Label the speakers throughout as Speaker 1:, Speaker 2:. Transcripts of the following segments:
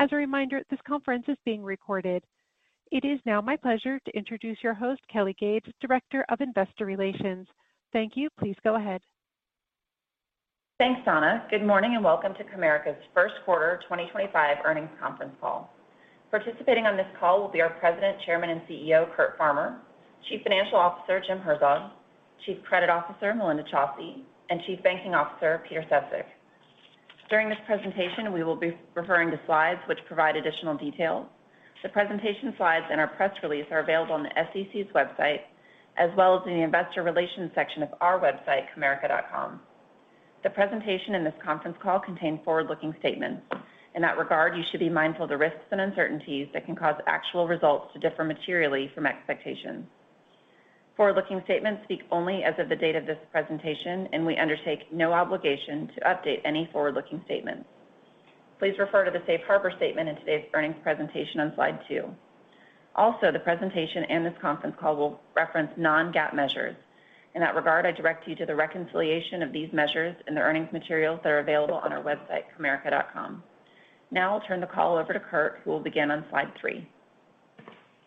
Speaker 1: As a reminder, this conference is being recorded. It is now my pleasure to introduce your host, Kelly Gage, Director of Investor Relations. Thank you. Please go ahead.
Speaker 2: Thanks, Donna. Good morning and welcome to Comerica's first quarter 2025 earnings conference call. Participating on this call will be our President, Chairman, and CEO, Curt Farmer, Chief Financial Officer, Jim Herzog, Chief Credit Officer, Melinda Chausse, and Chief Banking Officer, Peter Sefzik. During this presentation, we will be referring to slides which provide additional details. The presentation slides and our press release are available on the SEC's website, as well as in the Investor Relations section of our website, comerica.com. The presentation and this conference call contain forward-looking statements. In that regard, you should be mindful of the risks and uncertainties that can cause actual results to differ materially from expectations. Forward-looking statements speak only as of the date of this presentation, and we undertake no obligation to update any forward-looking statements. Please refer to the Safe Harbor statement in today's earnings presentation on slide two. Also, the presentation and this conference call will reference non-GAAP measures. In that regard, I direct you to the reconciliation of these measures in the earnings materials that are available on our website, comerica.com. Now I'll turn the call over to Curt, who will begin on slide three.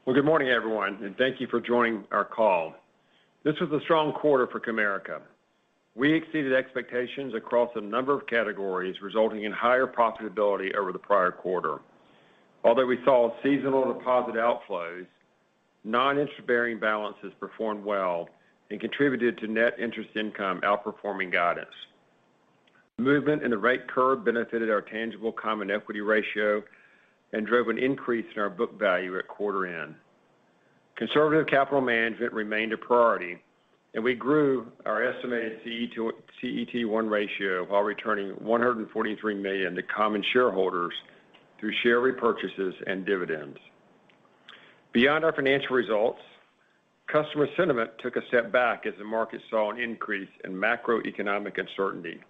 Speaker 3: Good morning, everyone, and thank you for joining our call. This was a strong quarter for Comerica. We exceeded expectations across a number of categories, resulting in higher profitability over the prior quarter. Although we saw seasonal deposit outflows, non-interest-bearing balances performed well and contributed to net interest income outperforming guidance. Movement in the rate curve benefited our tangible common equity ratio and drove an increase in our book value at quarter end. Conservative capital management remained a priority, and we grew our estimated CET1 ratio while returning $143 million to common shareholders through share repurchases and dividends. Beyond our financial results, customer sentiment took a step back as the market saw an increase in macroeconomic uncertainty.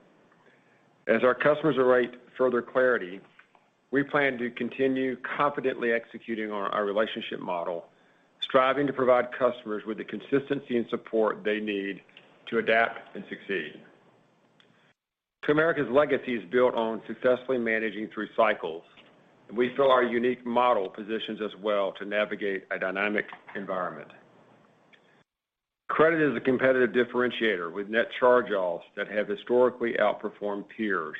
Speaker 3: As our customers await further clarity, we plan to continue confidently executing on our relationship model, striving to provide customers with the consistency and support they need to adapt and succeed. Comerica's legacy is built on successfully managing through cycles, and we feel our unique model positions us well to navigate a dynamic environment. Credit is a competitive differentiator with net charge-offs that have historically outperformed peers.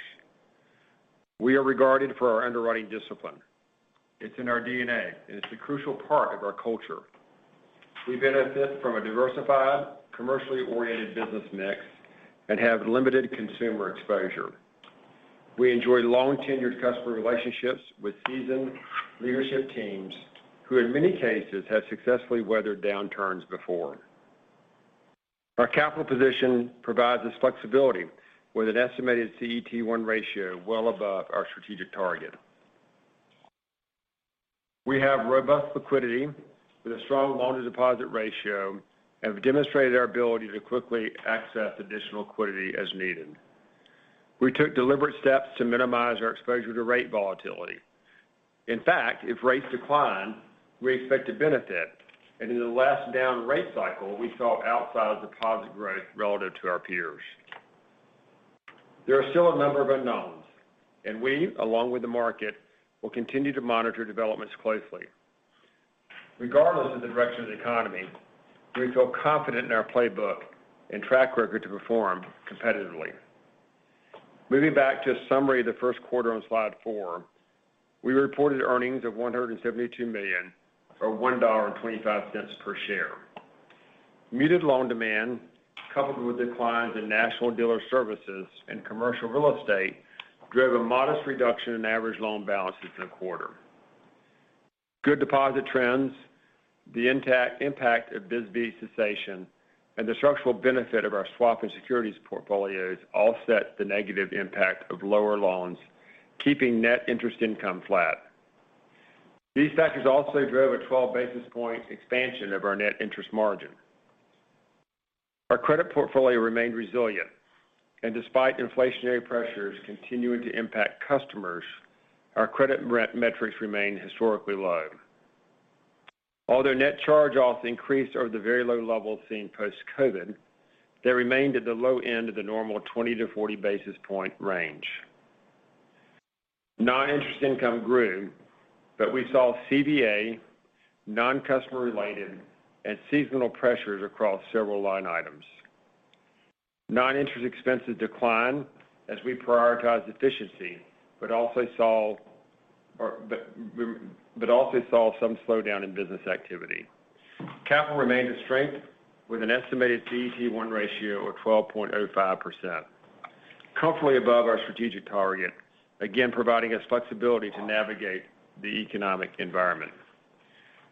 Speaker 3: We are regarded for our underwriting discipline. It's in our DNA, and it's a crucial part of our culture. We benefit from a diversified, commercially oriented business mix and have limited consumer exposure. We enjoy long-tenured customer relationships with seasoned leadership teams who, in many cases, have successfully weathered downturns before. Our capital position provides us flexibility with an estimated CET1 ratio well above our strategic target. We have robust liquidity with a strong loan-to-deposit ratio and have demonstrated our ability to quickly access additional liquidity as needed. We took deliberate steps to minimize our exposure to rate volatility. In fact, if rates decline, we expect to benefit, and in the last down rate cycle, we felt outsized deposit growth relative to our peers. There are still a number of unknowns, and we, along with the market, will continue to monitor developments closely. Regardless of the direction of the economy, we feel confident in our playbook and track record to perform competitively. Moving back to a summary of the first quarter on slide four, we reported earnings of $172 million, or $1.25 per share. Muted loan demand, coupled with declines in national dealer services and commercial real estate, drove a modest reduction in average loan balances in the quarter. Good deposit trends, the impact of BISV cessation, and the structural benefit of our swap and securities portfolios offset the negative impact of lower loans, keeping net interest income flat. These factors also drove a 12 basis point expansion of our net interest margin. Our credit portfolio remained resilient, and despite inflationary pressures continuing to impact customers, our credit metrics remained historically low. Although net charge-offs increased over the very low levels seen post-COVID, they remained at the low end of the normal 20-40 basis point range. Non-interest income grew, but we saw CVA, non-customer related, and seasonal pressures across several line items. Non-interest expenses declined as we prioritized efficiency, but also saw some slowdown in business activity. Capital remained a strength with an estimated CET1 ratio of 12.05%, comfortably above our strategic target, again providing us flexibility to navigate the economic environment.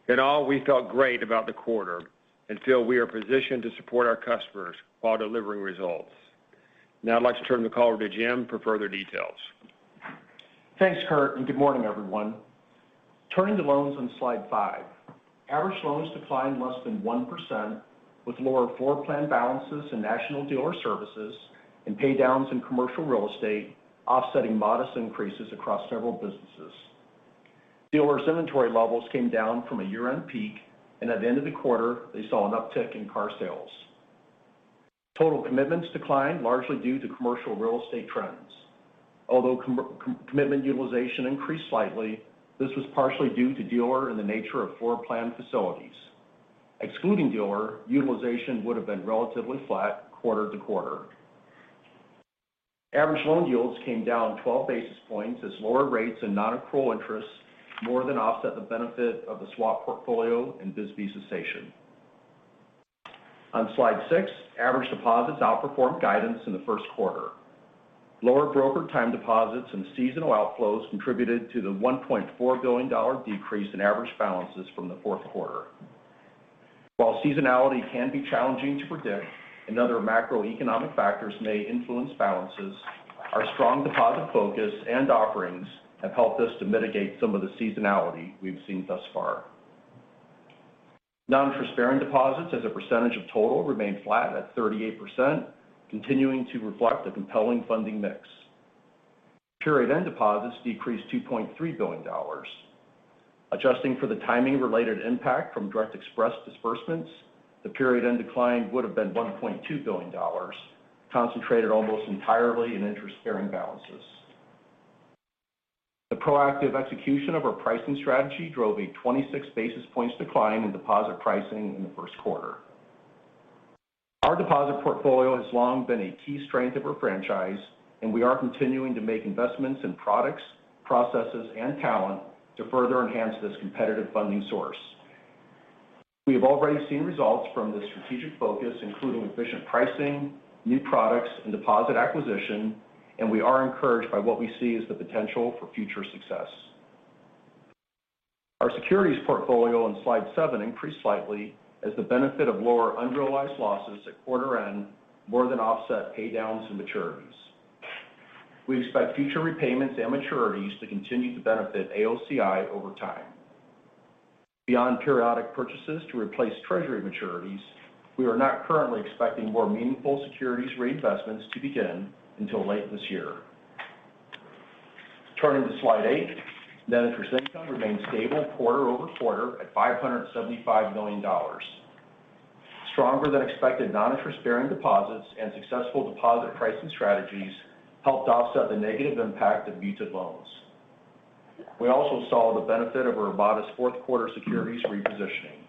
Speaker 3: In all, we felt great about the quarter and feel we are positioned to support our customers while delivering results. Now I'd like to turn the call over to Jim for further details.
Speaker 4: Thanks, Curt, and good morning, everyone. Turning to loans on slide five, average loans declined less than 1% with lower forward plan balances in National Dealer Services and paydowns in commercial real estate, offsetting modest increases across several businesses. Dealers' inventory levels came down from a year-end peak, and at the end of the quarter, they saw an uptick in car sales. Total commitments declined largely due to commercial real estate trends. Although commitment utilization increased slightly, this was partially due to dealer and the nature of forward plan facilities. Excluding dealer, utilization would have been relatively flat quarter to quarter. Average loan yields came down 12 basis points as lower rates and non-accrual interest more than offset the benefit of the swap portfolio and BISV cessation. On slide six, average deposits outperformed guidance in the first quarter. Lower brokered time deposits and seasonal outflows contributed to the $1.4 billion decrease in average balances from the fourth quarter. While seasonality can be challenging to predict and other macroeconomic factors may influence balances, our strong deposit focus and offerings have helped us to mitigate some of the seasonality we've seen thus far. Non-interest-bearing deposits as a percentage of total remained flat at 38%, continuing to reflect a compelling funding mix. Period end deposits decreased $2.3 billion. Adjusting for the timing-related impact from Direct Express disbursements, the period end decline would have been $1.2 billion, concentrated almost entirely in interest-bearing balances. The proactive execution of our pricing strategy drove a 26 basis points decline in deposit pricing in the first quarter. Our deposit portfolio has long been a key strength of our franchise, and we are continuing to make investments in products, processes, and talent to further enhance this competitive funding source. We have already seen results from this strategic focus, including efficient pricing, new products, and deposit acquisition, and we are encouraged by what we see as the potential for future success. Our securities portfolio on slide seven increased slightly as the benefit of lower unrealized losses at quarter end more than offset paydowns and maturities. We expect future repayments and maturities to continue to benefit AOCI over time. Beyond periodic purchases to replace treasury maturities, we are not currently expecting more meaningful securities reinvestments to begin until late this year. Turning to slide eight, net interest income remained stable quarter over quarter at $575 million. Stronger than expected non-interest-bearing deposits and successful deposit pricing strategies helped offset the negative impact of muted loans. We also saw the benefit of a robust fourth quarter securities repositioning.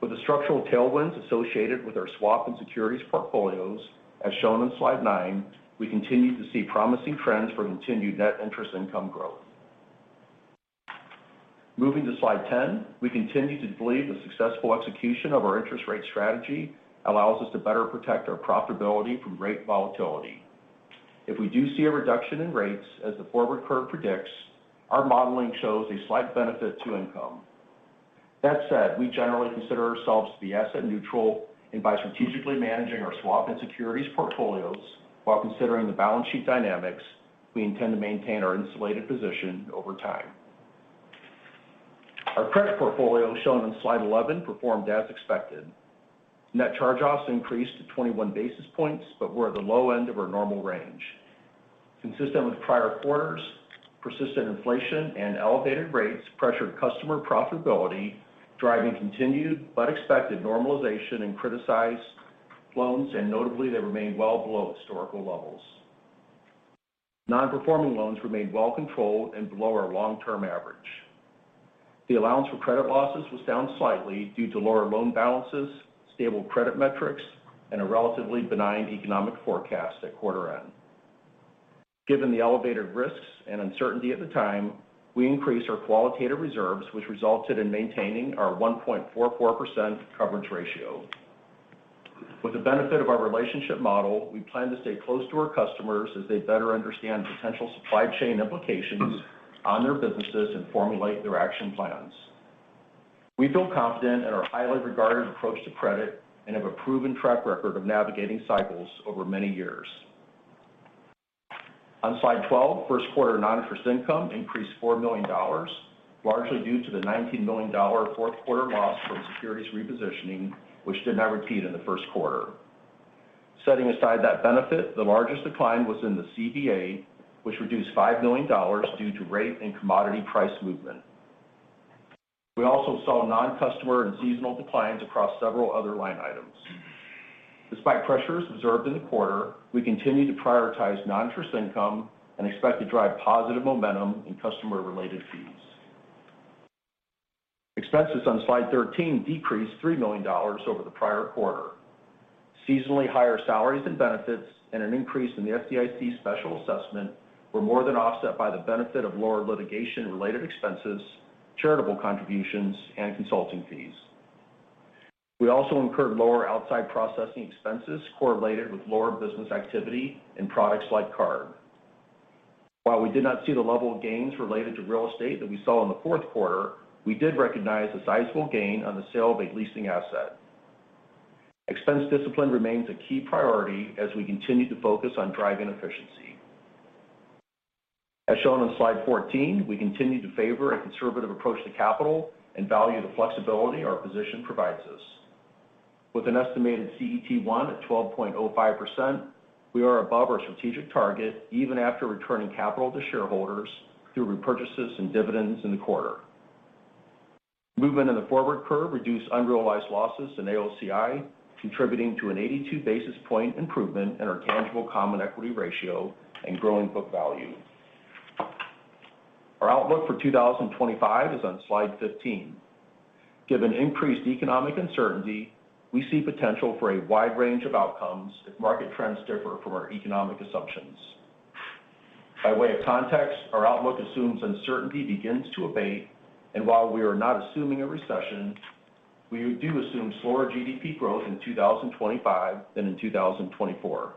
Speaker 4: With the structural tailwinds associated with our swap and securities portfolios, as shown on slide nine, we continue to see promising trends for continued net interest income growth. Moving to slide ten, we continue to believe the successful execution of our interest rate strategy allows us to better protect our profitability from rate volatility. If we do see a reduction in rates, as the forward curve predicts, our modeling shows a slight benefit to income. That said, we generally consider ourselves to be asset neutral. By strategically managing our swap and securities portfolios while considering the balance sheet dynamics, we intend to maintain our insulated position over time. Our credit portfolio shown on slide 11 performed as expected. Net charge-offs increased to 21 basis points, but were at the low end of our normal range. Consistent with prior quarters, persistent inflation and elevated rates pressured customer profitability, driving continued but expected normalization in criticized loans, and notably, they remained well below historical levels. Non-performing loans remained well-controlled and below our long-term average. The allowance for credit losses was down slightly due to lower loan balances, stable credit metrics, and a relatively benign economic forecast at quarter end. Given the elevated risks and uncertainty at the time, we increased our qualitative reserves, which resulted in maintaining our 1.44% coverage ratio. With the benefit of our relationship model, we plan to stay close to our customers as they better understand potential supply chain implications on their businesses and formulate their action plans. We feel confident in our highly regarded approach to credit and have a proven track record of navigating cycles over many years. On slide 12, first quarter non-interest income increased $4 million, largely due to the $19 million fourth quarter loss from securities repositioning, which did not repeat in the first quarter. Setting aside that benefit, the largest decline was in the CVA, which reduced $5 million due to rate and commodity price movement. We also saw non-customer and seasonal declines across several other line items. Despite pressures observed in the quarter, we continue to prioritize non-interest income and expect to drive positive momentum in customer-related fees. Expenses on slide 13 decreased $3 million over the prior quarter. Seasonally higher salaries and benefits and an increase in the FDIC special assessment were more than offset by the benefit of lower litigation-related expenses, charitable contributions, and consulting fees. We also incurred lower outside processing expenses correlated with lower business activity in products like carb. While we did not see the level of gains related to real estate that we saw in the fourth quarter, we did recognize a sizable gain on the sale of a leasing asset. Expense discipline remains a key priority as we continue to focus on driving efficiency. As shown on slide 14, we continue to favor a conservative approach to capital and value the flexibility our position provides us. With an estimated CET1 at 12.05%, we are above our strategic target even after returning capital to shareholders through repurchases and dividends in the quarter. Movement in the forward curve reduced unrealized losses in AOCI, contributing to an 82 basis point improvement in our tangible common equity ratio and growing book value. Our outlook for 2025 is on slide 15. Given increased economic uncertainty, we see potential for a wide range of outcomes if market trends differ from our economic assumptions. By way of context, our outlook assumes uncertainty begins to abate, and while we are not assuming a recession, we do assume slower GDP growth in 2025 than in 2024.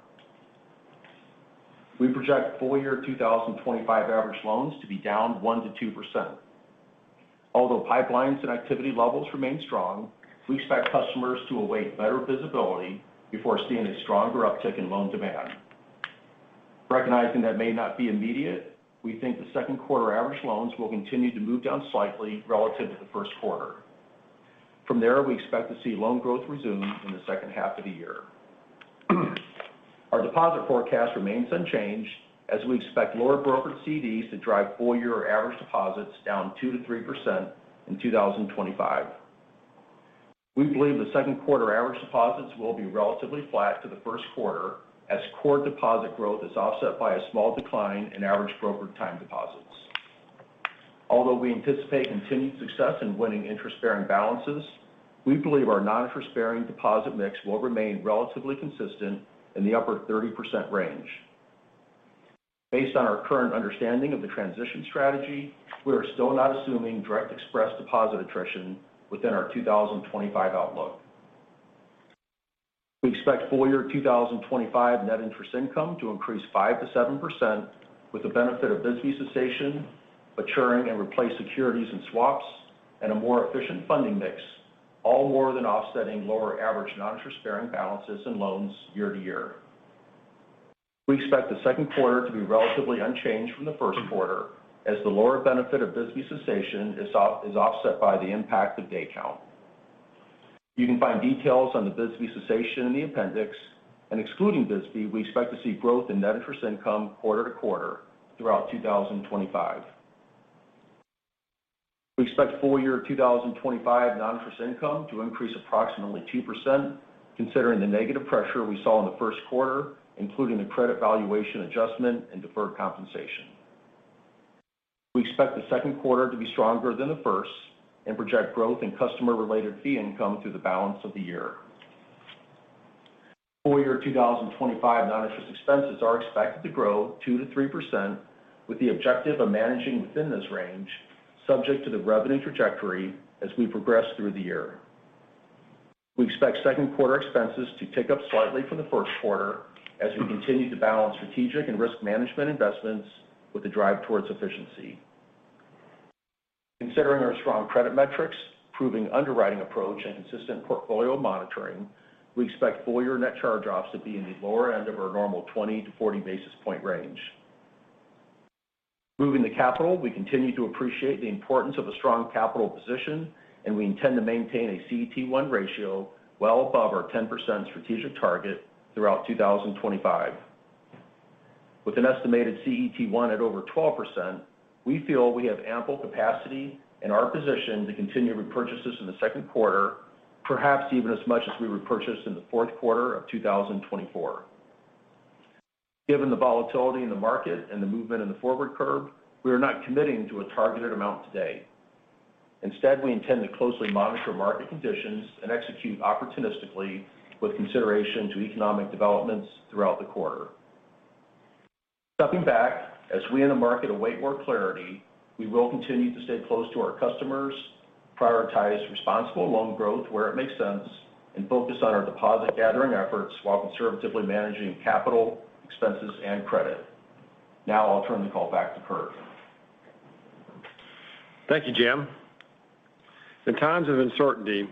Speaker 4: We project full year 2025 average loans to be down 1%-2%. Although pipelines and activity levels remain strong, we expect customers to await better visibility before seeing a stronger uptick in loan demand. Recognizing that may not be immediate, we think the second quarter average loans will continue to move down slightly relative to the first quarter. From there, we expect to see loan growth resume in the second half of the year. Our deposit forecast remains unchanged as we expect lower brokered CDs to drive full year average deposits down 2%-3% in 2025. We believe the second quarter average deposits will be relatively flat to the first quarter as core deposit growth is offset by a small decline in average brokered time deposits. Although we anticipate continued success in winning interest-bearing balances, we believe our non-interest-bearing deposit mix will remain relatively consistent in the upper 30% range. Based on our current understanding of the transition strategy, we are still not assuming Direct Express deposit attrition within our 2025 outlook. We expect full year 2025 net interest income to increase 5%-7% with the benefit of BISV cessation, maturing and replaced securities and swaps, and a more efficient funding mix, all more than offsetting lower average non-interest-bearing balances and loans year-to-year. We expect the second quarter to be relatively unchanged from the first quarter as the lower benefit of BISV cessation is offset by the impact of day count. You can find details on the BISV cessation in the appendix, and excluding BISV, we expect to see growth in net interest income quarter to quarter throughout 2025. We expect full year 2025 non-interest income to increase approximately 2%, considering the negative pressure we saw in the first quarter, including the credit valuation adjustment and deferred compensation. We expect the second quarter to be stronger than the first and project growth in customer-related fee income through the balance of the year. Full year 2025 non-interest expenses are expected to grow 2%-3% with the objective of managing within this range, subject to the revenue trajectory as we progress through the year. We expect second quarter expenses to tick up slightly from the first quarter as we continue to balance strategic and risk management investments with the drive towards efficiency. Considering our strong credit metrics, proven underwriting approach, and consistent portfolio monitoring, we expect full year net charge-offs to be in the lower end of our normal 20-40 basis point range. Moving to capital, we continue to appreciate the importance of a strong capital position, and we intend to maintain a CET1 ratio well above our 10% strategic target throughout 2025. With an estimated CET1 at over 12%, we feel we have ample capacity in our position to continue repurchases in the second quarter, perhaps even as much as we repurchased in the fourth quarter of 2024. Given the volatility in the market and the movement in the forward curve, we are not committing to a targeted amount today. Instead, we intend to closely monitor market conditions and execute opportunistically with consideration to economic developments throughout the quarter. Stepping back, as we in the market await more clarity, we will continue to stay close to our customers, prioritize responsible loan growth where it makes sense, and focus on our deposit gathering efforts while conservatively managing capital, expenses, and credit. Now I'll turn the call back to Curt.
Speaker 3: Thank you, Jim. In times of uncertainty,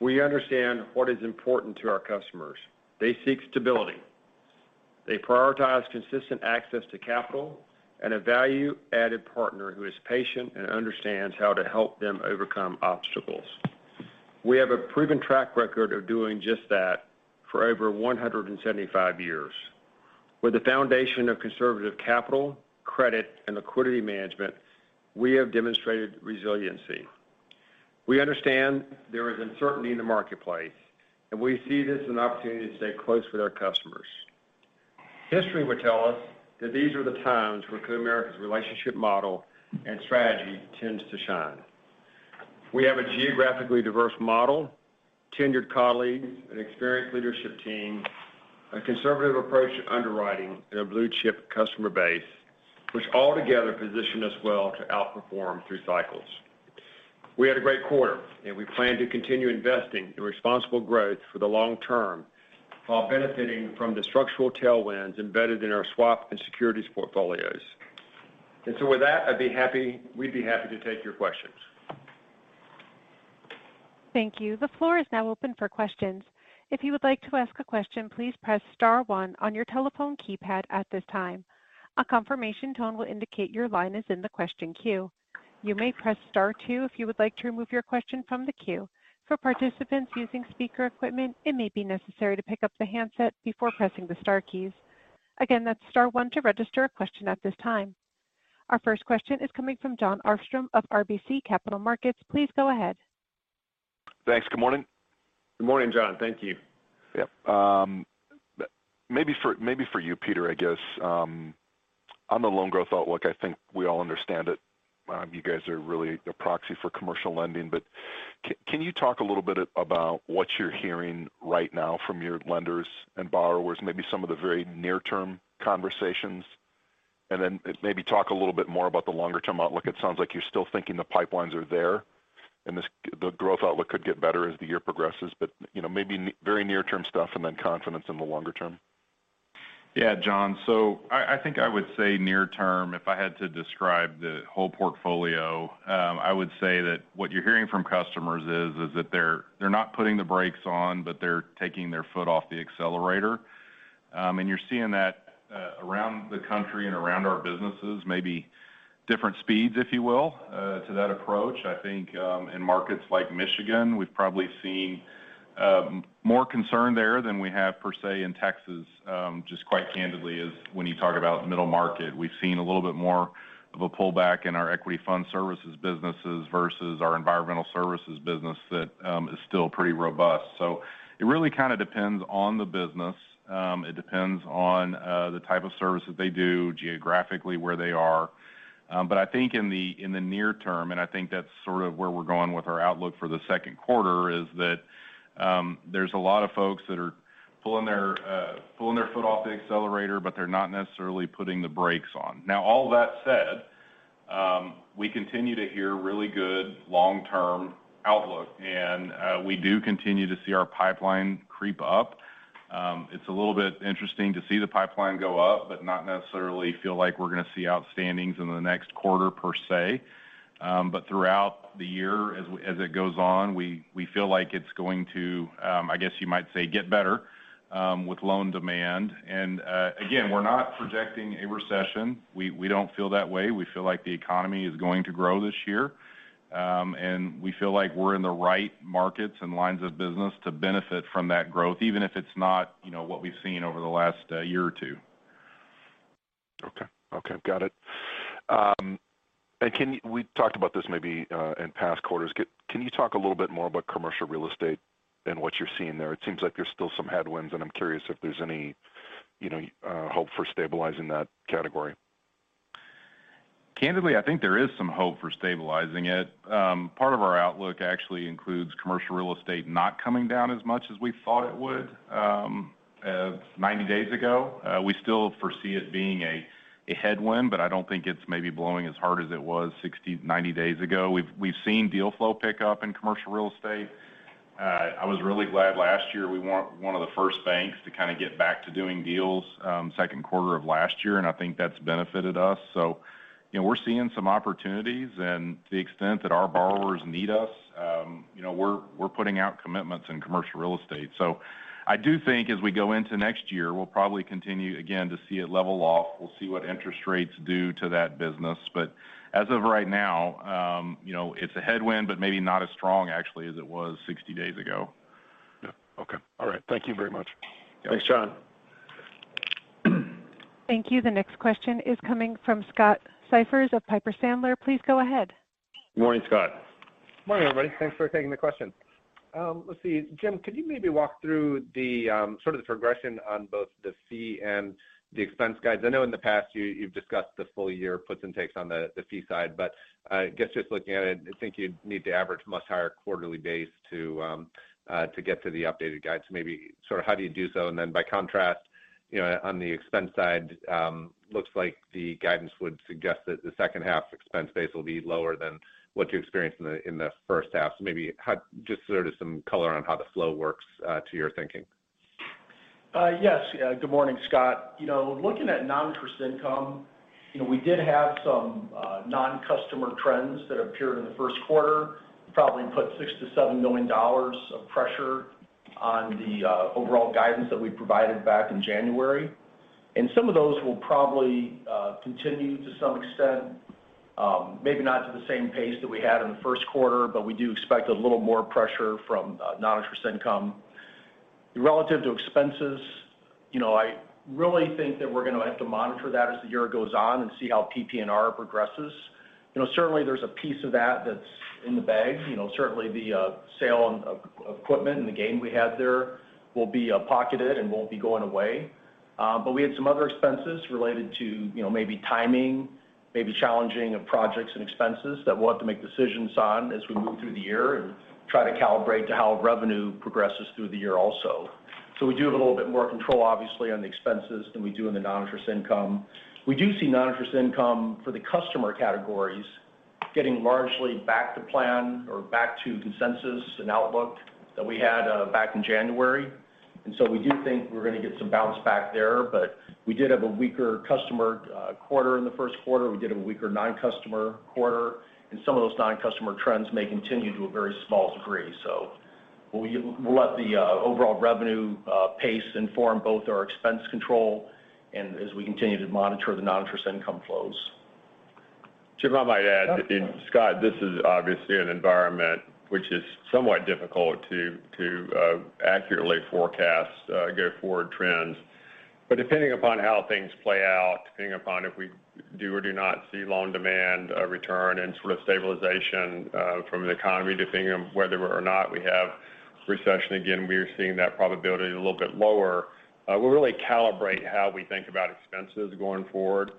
Speaker 3: we understand what is important to our customers. They seek stability. They prioritize consistent access to capital and a value-added partner who is patient and understands how to help them overcome obstacles. We have a proven track record of doing just that for over 175 years. With the foundation of conservative capital, credit, and liquidity management, we have demonstrated resiliency. We understand there is uncertainty in the marketplace, and we see this as an opportunity to stay close with our customers. History would tell us that these are the times where Comerica's relationship model and strategy tends to shine. We have a geographically diverse model, tenured colleagues, an experienced leadership team, a conservative approach to underwriting, and a blue-chip customer base, which all together position us well to outperform through cycles. We had a great quarter, and we plan to continue investing in responsible growth for the long term while benefiting from the structural tailwinds embedded in our swap and securities portfolios. With that, I'd be happy—we'd be happy to take your questions. Thank you. The floor is now open for questions. If you would like to ask a question, please press star one on your telephone keypad at this time. A confirmation tone will indicate your line is in the question queue.
Speaker 1: You may press star two if you would like to remove your question from the queue. For participants using speaker equipment, it may be necessary to pick up the handset before pressing the star keys. Again, that's star one to register a question at this time. Our first question is coming from Jon Arfstrom of RBC Capital Markets. Please go ahead.
Speaker 5: Thanks. Good morning.
Speaker 3: Good morning, Jon. Thank you.
Speaker 5: Yep. Maybe for you, Peter, I guess. On the loan growth outlook, I think we all understand it. You guys are really a proxy for commercial lending. Can you talk a little bit about what you're hearing right now from your lenders and borrowers, maybe some of the very near-term conversations? Maybe talk a little bit more about the longer-term outlook.It sounds like you're still thinking the pipelines are there, and the growth outlook could get better as the year progresses. Maybe very near-term stuff and then confidence in the longer term.
Speaker 6: Yeah, Jon. I think I would say near-term, if I had to describe the whole portfolio, I would say that what you're hearing from customers is that they're not putting the brakes on, but they're taking their foot off the accelerator. You're seeing that around the country and around our businesses, maybe different speeds, if you will, to that approach. I think in markets like Michigan, we've probably seen more concern there than we have per se in Texas, just quite candidly, as when you talk about middle market. We've seen a little bit more of a pullback in our equity fund services businesses versus our environmental services business that is still pretty robust. It really kind of depends on the business. It depends on the type of services they do, geographically where they are. I think in the near term, and I think that's sort of where we're going with our outlook for the second quarter, is that there's a lot of folks that are pulling their foot off the accelerator, but they're not necessarily putting the brakes on. All that said, we continue to hear really good long-term outlook, and we do continue to see our pipeline creep up. It's a little bit interesting to see the pipeline go up, but not necessarily feel like we're going to see outstandings in the next quarter per se. Throughout the year, as it goes on, we feel like it's going to, I guess you might say, get better with loan demand. Again, we're not projecting a recession. We do not feel that way. We feel like the economy is going to grow this year, and we feel like we are in the right markets and lines of business to benefit from that growth, even if it is not what we have seen over the last year or two.
Speaker 5: Okay. Okay. Got it. We talked about this maybe in past quarters. Can you talk a little bit more about commercial real estate and what you are seeing there? It seems like there are still some headwinds, and I am curious if there is any hope for stabilizing that category.
Speaker 6: Candidly, I think there is some hope for stabilizing it. Part of our outlook actually includes commercial real estate not coming down as much as we thought it would 90 days ago. We still foresee it being a headwind, but I do not think it is maybe blowing as hard as it was 90 days ago. We've seen deal flow pick up in commercial real estate. I was really glad last year we were one of the first banks to kind of get back to doing deals second quarter of last year, and I think that's benefited us. We're seeing some opportunities, and to the extent that our borrowers need us, we're putting out commitments in commercial real estate. I do think as we go into next year, we'll probably continue again to see it level off. We'll see what interest rates do to that business. As of right now, it's a headwind, but maybe not as strong actually as it was 60 days ago.
Speaker 5: Yeah. Okay. All right. Thank you very much.
Speaker 6: Thanks, Jon.
Speaker 1: Thank you. The next question is coming from Scott Siefers of Piper Sandler. Please go ahead.
Speaker 3: Good morning, Scott.
Speaker 7: Morning, everybody. Thanks for taking the question. Let's see. Jim, could you maybe walk through sort of the progression on both the fee and the expense guides? I know in the past you've discussed the full year puts and takes on the fee side, but I guess just looking at it, I think you'd need to average much higher quarterly base to get to the updated guide. Maybe sort of how do you do so? By contrast, on the expense side, it looks like the guidance would suggest that the second half expense base will be lower than what you experienced in the first half. Maybe just sort of some color on how the flow works to your thinking.
Speaker 4: Yes. Good morning, Scott.Looking at non-interest income, we did have some non-customer trends that appeared in the first quarter, probably put $6 million-$7 million of pressure on the overall guidance that we provided back in January. Some of those will probably continue to some extent, maybe not to the same pace that we had in the first quarter, but we do expect a little more pressure from non-interest income. Relative to expenses, I really think that we're going to have to monitor that as the year goes on and see how PPNR progresses. Certainly, there's a piece of that that's in the bag. Certainly, the sale of equipment and the gain we had there will be pocketed and won't be going away. We had some other expenses related to maybe timing, maybe challenging of projects and expenses that we'll have to make decisions on as we move through the year and try to calibrate to how revenue progresses through the year also. We do have a little bit more control, obviously, on the expenses than we do in the non-interest income. We do see non-interest income for the customer categories getting largely back to plan or back to consensus and outlook that we had back in January. We do think we're going to get some bounce back there. We did have a weaker customer quarter in the first quarter. We did have a weaker non-customer quarter. Some of those non-customer trends may continue to a very small degree. We'll let the overall revenue pace inform both our expense control and as we continue to monitor the non-interest income flows.
Speaker 3: Jim, I might add, Scott, this is obviously an environment which is somewhat difficult to accurately forecast go forward trends. Depending upon how things play out, depending upon if we do or do not see loan demand return and sort of stabilization from the economy, depending on whether or not we have recession, again, we are seeing that probability a little bit lower. We'll really calibrate how we think about expenses going forward.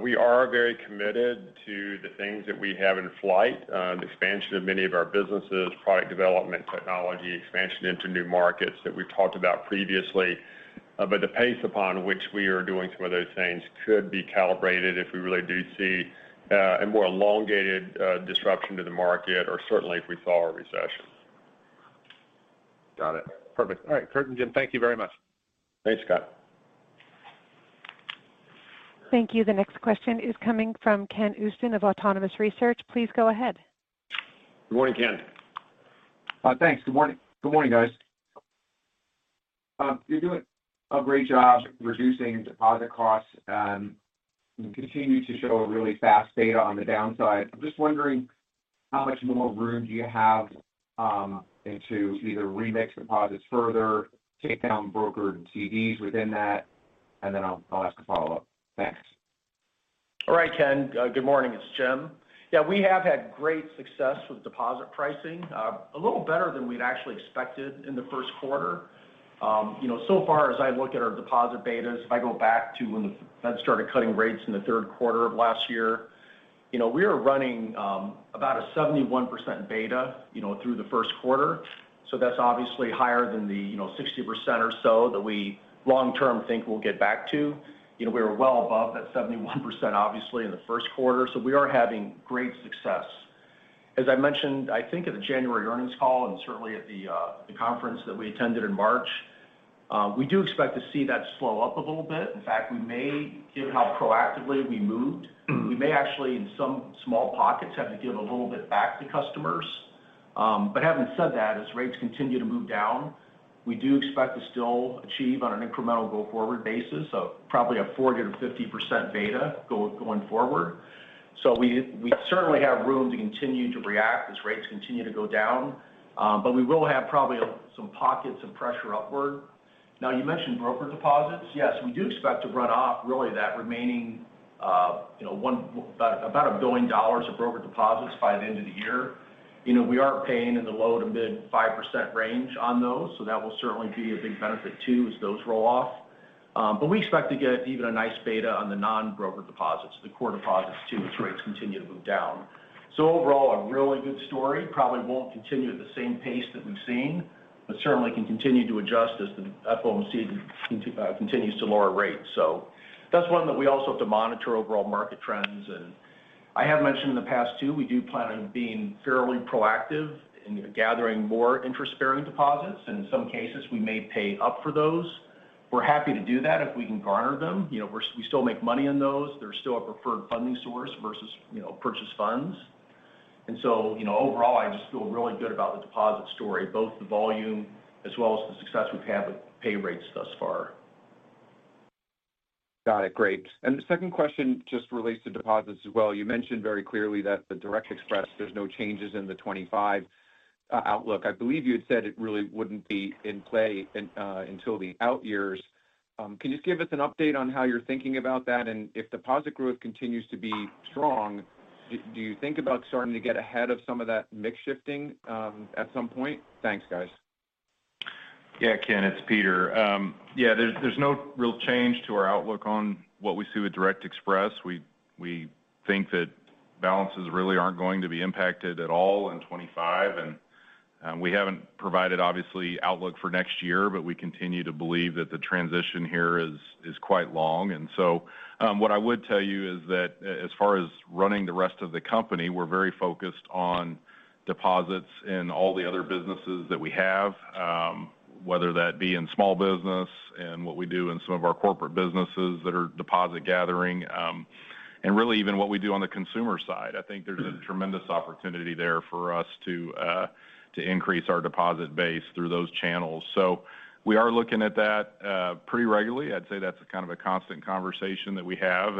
Speaker 3: We are very committed to the things that we have in flight, the expansion of many of our businesses, product development, technology, expansion into new markets that we've talked about previously. But the pace upon which we are doing some of those things could be calibrated if we really do see a more elongated disruption to the market, or certainly if we saw a recession.
Speaker 7: Got it. Perfect. All right. Curt and Jim, thank you very much.
Speaker 3: Thanks, Scott.
Speaker 1: Thank you. The next question is coming from Ken Usdin of Autonomous Research. Please go ahead.
Speaker 8: Good morning, Ken. Thanks. Good morning. Good morning, guys. You're doing a great job reducing deposit costs and continue to show a really fast data on the downside. I'm just wondering how much more room do you have to either remix deposits further, take down brokered CDs within that, and then I'll ask a follow-up. Thanks.
Speaker 4: All right, Ken. Good morning. It's Jim. Yeah, we have had great success with deposit pricing, a little better than we'd actually expected in the first quarter. As I look at our deposit betas, if I go back to when the Fed started cutting rates in the third quarter of last year, we are running about a 71% beta through the first quarter. That is obviously higher than the 60% or so that we long-term think we will get back to. We were well above that 71%, obviously, in the first quarter. We are having great success. As I mentioned, I think at the January earnings call and certainly at the conference that we attended in March, we do expect to see that slow up a little bit. In fact, we may, given how proactively we moved, actually in some small pockets have to give a little bit back to customers. Having said that, as rates continue to move down, we do expect to still achieve on an incremental go forward basis of probably a 40%-50% beta going forward. We certainly have room to continue to react as rates continue to go down, but we will have probably some pockets of pressure upward. You mentioned brokered deposits. Yes, we do expect to run off really that remaining about $1 billion of brokered deposits by the end of the year. We are paying in the low to mid 5% range on those. That will certainly be a big benefit too as those roll off. We expect to get even a nice beta on the non-brokered deposits, the core deposits too, as rates continue to move down. Overall, a really good story. Probably will not continue at the same pace that we have seen, but certainly can continue to adjust as the FOMC continues to lower rates. That is one that we also have to monitor overall market trends. I have mentioned in the past too, we do plan on being fairly proactive in gathering more interest-bearing deposits. In some cases, we may pay up for those. We are happy to do that if we can garner them. We still make money on those. They are still a preferred funding source versus purchased funds. Overall, I just feel really good about the deposit story, both the volume as well as the success we have had with pay rates thus far.
Speaker 8: Got it. Great. The second question just relates to deposits as well. You mentioned very clearly that the Direct Express, there are no changes in the 2025 outlook. I believe you had said it really wouldn't be in play until the out years. Can you just give us an update on how you're thinking about that? If deposit growth continues to be strong, do you think about starting to get ahead of some of that mix shifting at some point? Thanks, guys.
Speaker 6: Yeah, Ken, it's Peter. Yeah, there's no real change to our outlook on what we see with Direct Express. We think that balances really aren't going to be impacted at all in 2025. We haven't provided, obviously, outlook for next year, but we continue to believe that the transition here is quite long. What I would tell you is that as far as running the rest of the company, we're very focused on deposits in all the other businesses that we have, whether that be in small business and what we do in some of our corporate businesses that are deposit gathering. Really even what we do on the consumer side, I think there's a tremendous opportunity there for us to increase our deposit base through those channels. We are looking at that pretty regularly. I'd say that's kind of a constant conversation that we have.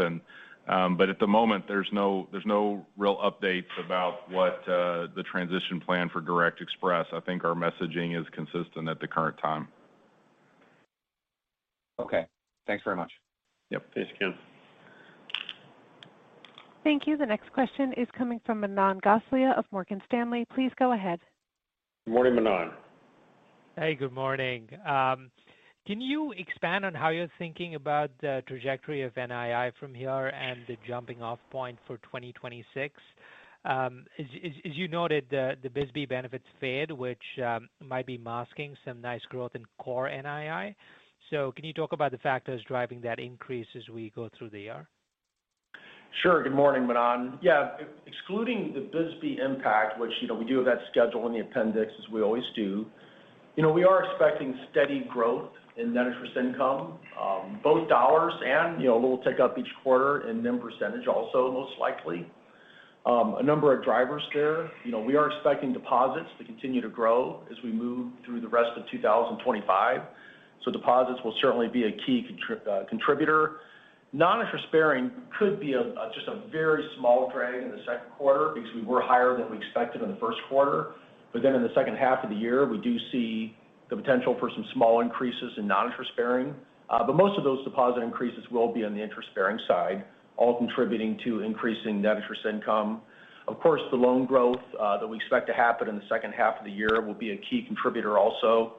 Speaker 6: At the moment, there's no real updates about what the transition plan for Direct Express. I think our messaging is consistent at the current time.
Speaker 8: Okay. Thanks very much.
Speaker 3: Yep. Thanks, Ken.
Speaker 1: Thank you. The next question is coming from Manan Gosalia of Morgan Stanley. Please go ahead. Good morning, Manon.
Speaker 3: Hey, good morning.
Speaker 9: Can you expand on how you're thinking about the trajectory of NII from here and the jumping-off point for 2026? As you noted, the BISB benefits fade, which might be masking some nice growth in core NII. Can you talk about the factors driving that increase as we go through the year?
Speaker 4: Sure. Good morning, Manon. Yeah. Excluding the BISB impact, which we do have that schedule in the appendix, as we always do, we are expecting steady growth in net interest income, both dollars and a little tick up each quarter in NIM percentage also, most likely. A number of drivers there. We are expecting deposits to continue to grow as we move through the rest of 2025. Deposits will certainly be a key contributor. Non-interest bearing could be just a very small drag in the second quarter because we were higher than we expected in the first quarter. In the second half of the year, we do see the potential for some small increases in non-interest bearing. Most of those deposit increases will be on the interest bearing side, all contributing to increasing net interest income. Of course, the loan growth that we expect to happen in the second half of the year will be a key contributor also.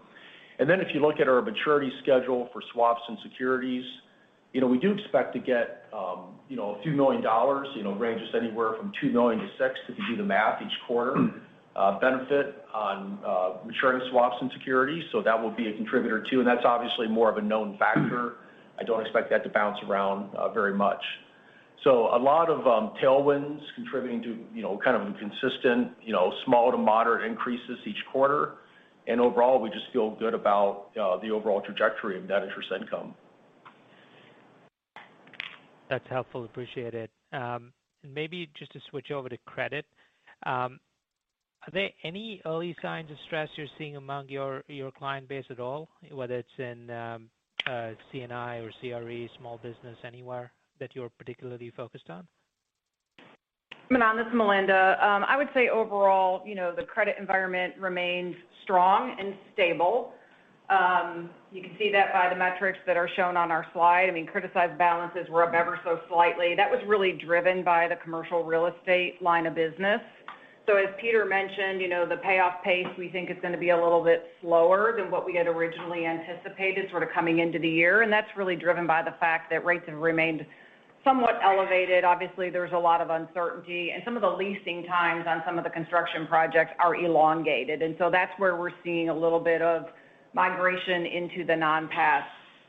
Speaker 4: If you look at our maturity schedule for swaps and securities, we do expect to get a few million dollars, ranges anywhere from $2 million-$6 million, if you do the math each quarter, benefit on maturing swaps and securities. That will be a contributor too. That is obviously more of a known factor. I do not expect that to bounce around very much. A lot of tailwinds are contributing to kind of consistent small to moderate increases each quarter. Overall, we just feel good about the overall trajectory of net interest income.
Speaker 9: That is helpful. Appreciate it. Maybe just to switch over to credit, are there any early signs of stress you are seeing among your client base at all, whether it is in CNI or CRE, small business, anywhere that you are particularly focused on?
Speaker 10: Manon, this is Melinda. I would say overall, the credit environment remains strong and stable. You can see that by the metrics that are shown on our slide. I mean, criticized balances were up ever so slightly. That was really driven by the commercial real estate line of business. As Peter mentioned, the payoff pace, we think it's going to be a little bit slower than what we had originally anticipated coming into the year. That's really driven by the fact that rates have remained somewhat elevated. Obviously, there's a lot of uncertainty. Some of the leasing times on some of the construction projects are elongated. That's where we're seeing a little bit of migration into the non-pass.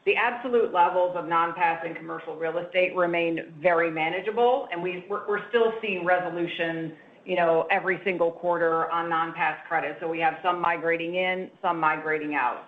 Speaker 10: The absolute levels of non-pass and commercial real estate remain very manageable. We're still seeing resolution every single quarter on non-pass credit. We have some migrating in, some migrating out.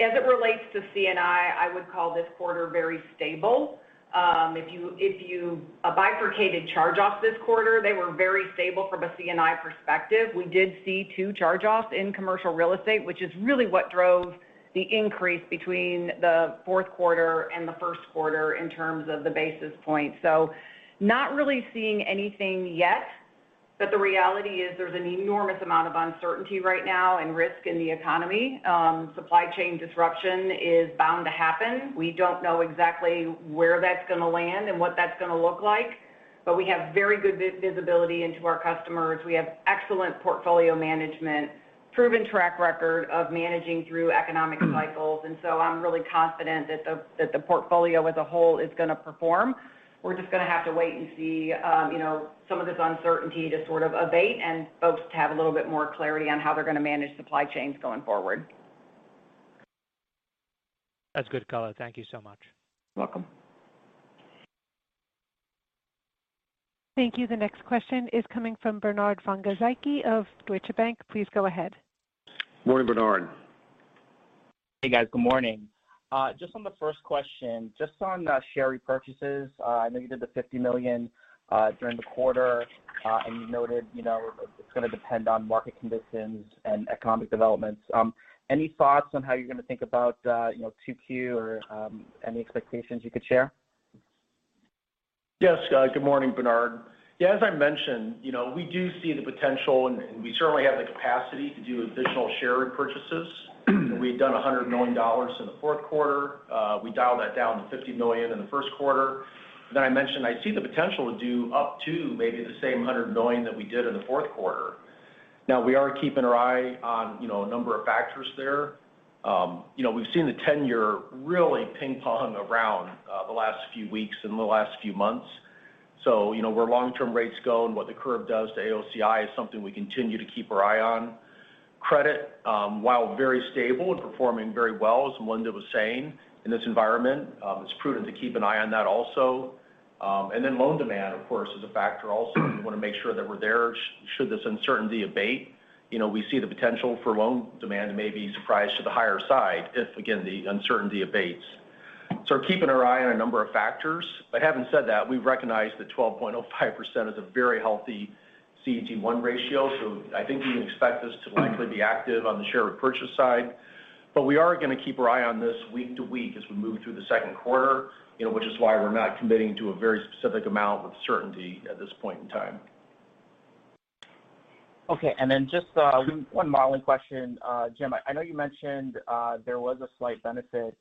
Speaker 10: As it relates to CNI, I would call this quarter very stable. If you bifurcated charge-offs this quarter, they were very stable from a CNI perspective. We did see two charge-offs in commercial real estate, which is really what drove the increase between the fourth quarter and the first quarter in terms of the basis point. Not really seeing anything yet. The reality is there's an enormous amount of uncertainty right now and risk in the economy. Supply chain disruption is bound to happen. We do not know exactly where that's going to land and what that's going to look like. We have very good visibility into our customers. We have excellent portfolio management, proven track record of managing through economic cycles. I am really confident that the portfolio as a whole is going to perform. We are just going to have to wait and see some of this uncertainty to sort of abate and folks to have a little bit more clarity on how they're going to manage supply chains going forward.
Speaker 9: That's good color. Thank you so much.
Speaker 10: You're welcome.
Speaker 1: Thank you. The next question is coming from Bernard von Gizycki of Deutsche Bank. Please go ahead.
Speaker 3: Morning, Bernard.
Speaker 11: Hey, guys. Good morning. Just on the first question, just on share repurchases, I know you did the $50 million during the quarter. And you noted it's going to depend on market conditions and economic developments. Any thoughts on how you're going to think about 2Q or any expectations you could share?
Speaker 4: Yes, good morning, Bernard. Yeah, as I mentioned, we do see the potential, and we certainly have the capacity to do additional share repurchases. We had done $100 million in the fourth quarter. We dialed that down to $50 million in the first quarter. Then I mentioned I see the potential to do up to maybe the same $100 million that we did in the fourth quarter. Now, we are keeping our eye on a number of factors there. We've seen the ten-year really ping-pong around the last few weeks and the last few months. Where long-term rates go and what the curve does to AOCI is something we continue to keep our eye on. Credit, while very stable and performing very well, as Melinda was saying, in this environment, it's prudent to keep an eye on that also. Loan demand, of course, is a factor also. We want to make sure that we're there should this uncertainty abate. We see the potential for loan demand to maybe surprise to the higher side if, again, the uncertainty abates. We are keeping our eye on a number of factors. Having said that, we've recognized that 12.05% is a very healthy CET1 ratio. I think you can expect this to likely be active on the share repurchase side. We are going to keep our eye on this week to week as we move through the second quarter, which is why we're not committing to a very specific amount with certainty at this point in time.
Speaker 11: Okay. And then just one modeling question, Jim. I know you mentioned there was a slight benefit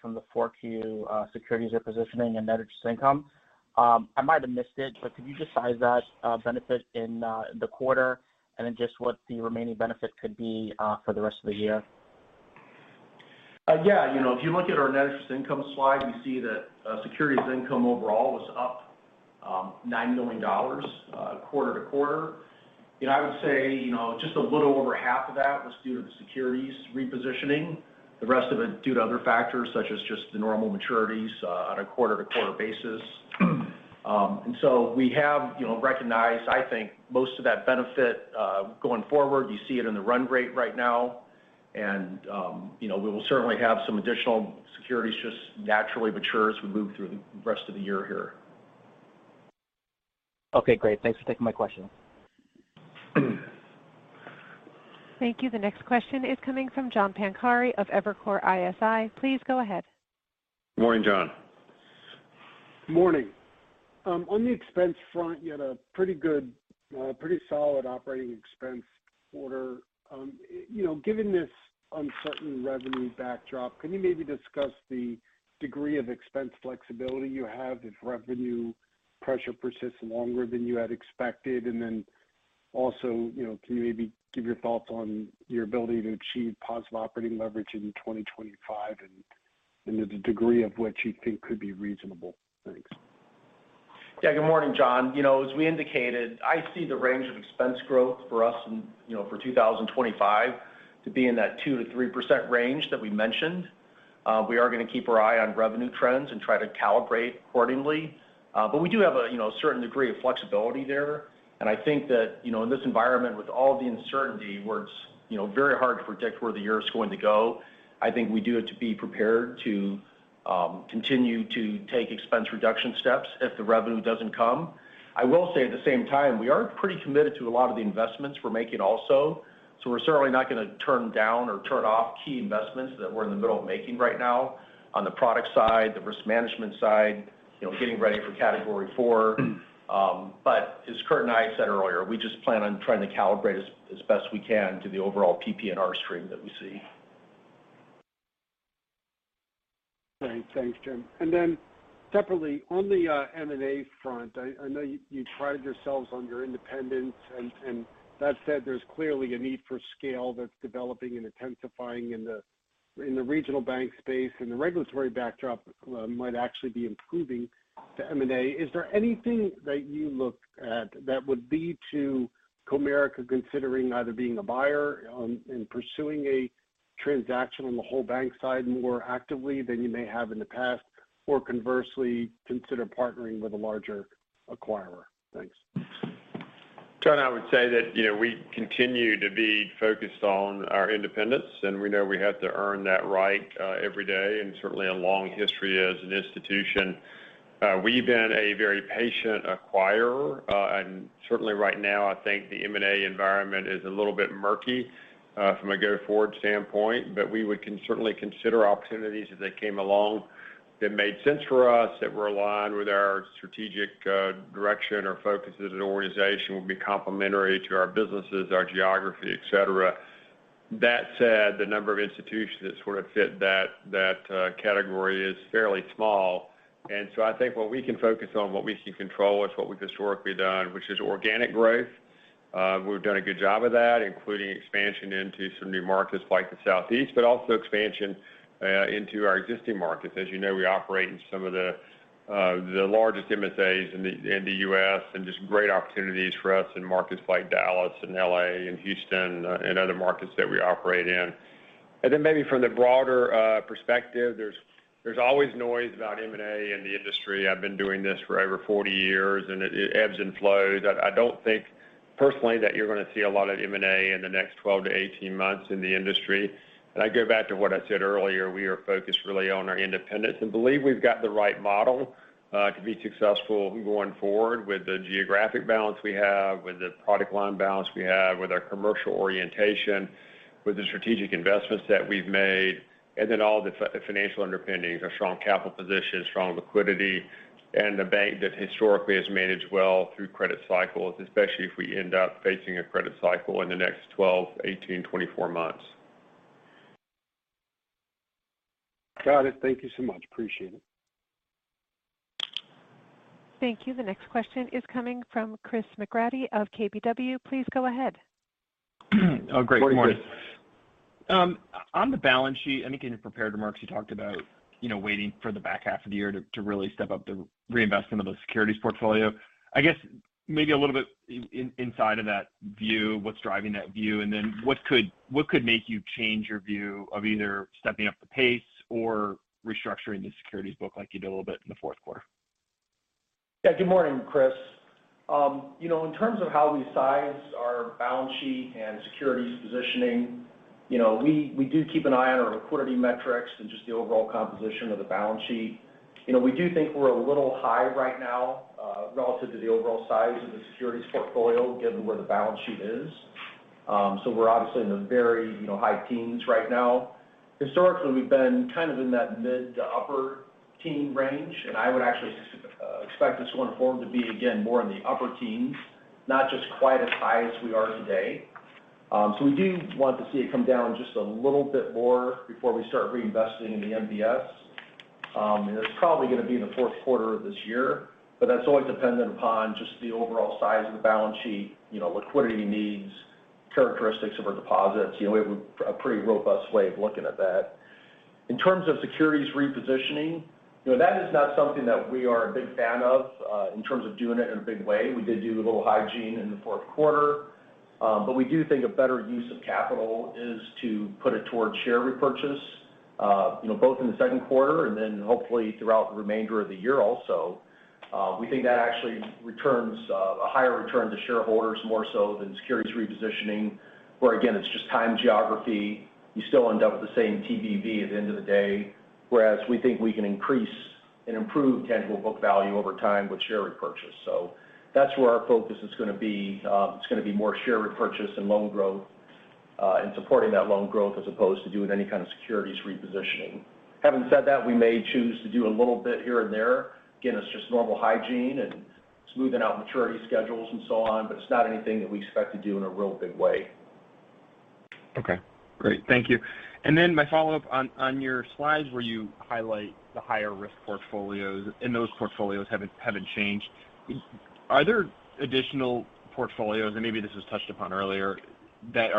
Speaker 11: from the 4Q securities repositioning and net interest income. I might have missed it, but could you just size that benefit in the quarter and then just what the remaining benefit could be for the rest of the year?
Speaker 4: Yeah. If you look at our net interest income slide, you see that securities income overall was up $9 million quarter to quarter. I would say just a little over half of that was due to the securities repositioning. The rest of it due to other factors such as just the normal maturities on a quarter to quarter basis. We have recognized, I think, most of that benefit going forward. You see it in the run rate right now. We will certainly have some additional securities just naturally mature as we move through the rest of the year here.
Speaker 11: Okay. Great. Thanks for taking my question.
Speaker 1: Thank you. The next question is coming from John Pancari of Evercore ISI. Please go ahead.
Speaker 3: Good morning, John.
Speaker 12: Good morning. On the expense front, you had a pretty solid operating expense quarter. Given this uncertain revenue backdrop, can you maybe discuss the degree of expense flexibility you have if revenue pressure persists longer than you had expected? Can you maybe give your thoughts on your ability to achieve positive operating leverage in 2025 and the degree of which you think could be reasonable? Thanks.
Speaker 4: Yeah. Good morning, John. As we indicated, I see the range of expense growth for us for 2025 to be in that 2%-3% range that we mentioned. We are going to keep our eye on revenue trends and try to calibrate accordingly. We do have a certain degree of flexibility there. I think that in this environment, with all the uncertainty, where it's very hard to predict where the year is going to go, I think we do need to be prepared to continue to take expense reduction steps if the revenue does not come. I will say at the same time, we are pretty committed to a lot of the investments we're making also. We're certainly not going to turn down or turn off key investments that we're in the middle of making right now on the product side, the risk management side, getting ready for category four. As Curt and I said earlier, we just plan on trying to calibrate as best we can to the overall PP&R stream that we see.
Speaker 12: Thanks, Jim. Separately, on the M&A front, I know you prided yourselves on your independence. That said, there's clearly a need for scale that's developing and intensifying in the regional bank space. The regulatory backdrop might actually be improving to M&A. Is there anything that you look at that would lead to Comerica considering either being a buyer and pursuing a transaction on the whole bank side more actively than you may have in the past, or conversely, consider partnering with a larger acquirer? Thanks.
Speaker 3: I would say that we continue to be focused on our independence. We know we have to earn that right every day and certainly a long history as an institution. We've been a very patient acquirer. Right now, I think the M&A environment is a little bit murky from a go-forward standpoint. We would certainly consider opportunities as they came along that made sense for us, that were aligned with our strategic direction or focus as an organization, would be complementary to our businesses, our geography, etc. That said, the number of institutions that sort of fit that category is fairly small. I think what we can focus on, what we can control is what we've historically done, which is organic growth. We've done a good job of that, including expansion into some new markets like the Southeast, but also expansion into our existing markets. As you know, we operate in some of the largest MSAs in the U.S. and just great opportunities for us in markets like Dallas and LA and Houston and other markets that we operate in. Maybe from the broader perspective, there's always noise about M&A in the industry. I've been doing this for over 40 years, and it ebbs and flows. I don't think, personally, that you're going to see a lot of M&A in the next 12-18 months in the industry. I go back to what I said earlier. We are focused really on our independence and believe we've got the right model to be successful going forward with the geographic balance we have, with the product line balance we have, with our commercial orientation, with the strategic investments that we've made, and then all the financial underpinnings: a strong capital position, strong liquidity, and a bank that historically has managed well through credit cycles, especially if we end up facing a credit cycle in the next 12, 18, 24 months.
Speaker 12: Got it. Thank you so much. Appreciate it.
Speaker 1: Thank you. The next question is coming from Chris McGratty of KBW. Please go ahead.
Speaker 3: Good morning, Chris.
Speaker 13: Oh, great. Good morning. On the balance sheet, I think in prepared remarks, you talked about waiting for the back half of the year to really step up the reinvestment of the securities portfolio. I guess maybe a little bit inside of that view, what's driving that view, and then what could make you change your view of either stepping up the pace or restructuring the securities book like you did a little bit in the fourth quarter?
Speaker 4: Yeah. Good morning, Chris. In terms of how we size our balance sheet and securities positioning, we do keep an eye on our liquidity metrics and just the overall composition of the balance sheet. We do think we're a little high right now relative to the overall size of the securities portfolio, given where the balance sheet is. We are obviously in the very high teens right now. Historically, we've been kind of in that mid to upper teen range. I would actually expect us going forward to be, again, more in the upper teens, not just quite as high as we are today. We do want to see it come down just a little bit more before we start reinvesting in the MVS. It is probably going to be in the fourth quarter of this year. That is always dependent upon just the overall size of the balance sheet, liquidity needs, characteristics of our deposits. We have a pretty robust way of looking at that. In terms of securities repositioning, that is not something that we are a big fan of in terms of doing it in a big way. We did do a little hygiene in the fourth quarter. We do think a better use of capital is to put it towards share repurchase, both in the second quarter and then hopefully throughout the remainder of the year also. We think that actually returns a higher return to shareholders more so than securities repositioning, where, again, it is just time geography. You still end up with the same TBV at the end of the day, whereas we think we can increase and improve tangible book value over time with share repurchase. That is where our focus is going to be. It is going to be more share repurchase and loan growth and supporting that loan growth as opposed to doing any kind of securities repositioning. Having said that, we may choose to do a little bit here and there. Again, it is just normal hygiene and smoothing out maturity schedules and so on. It is not anything that we expect to do in a real big way.
Speaker 13: Okay. Great. Thank you. My follow-up on your slides where you highlight the higher risk portfolios and those portfolios have not changed. Are there additional portfolios, and maybe this was touched upon earlier, that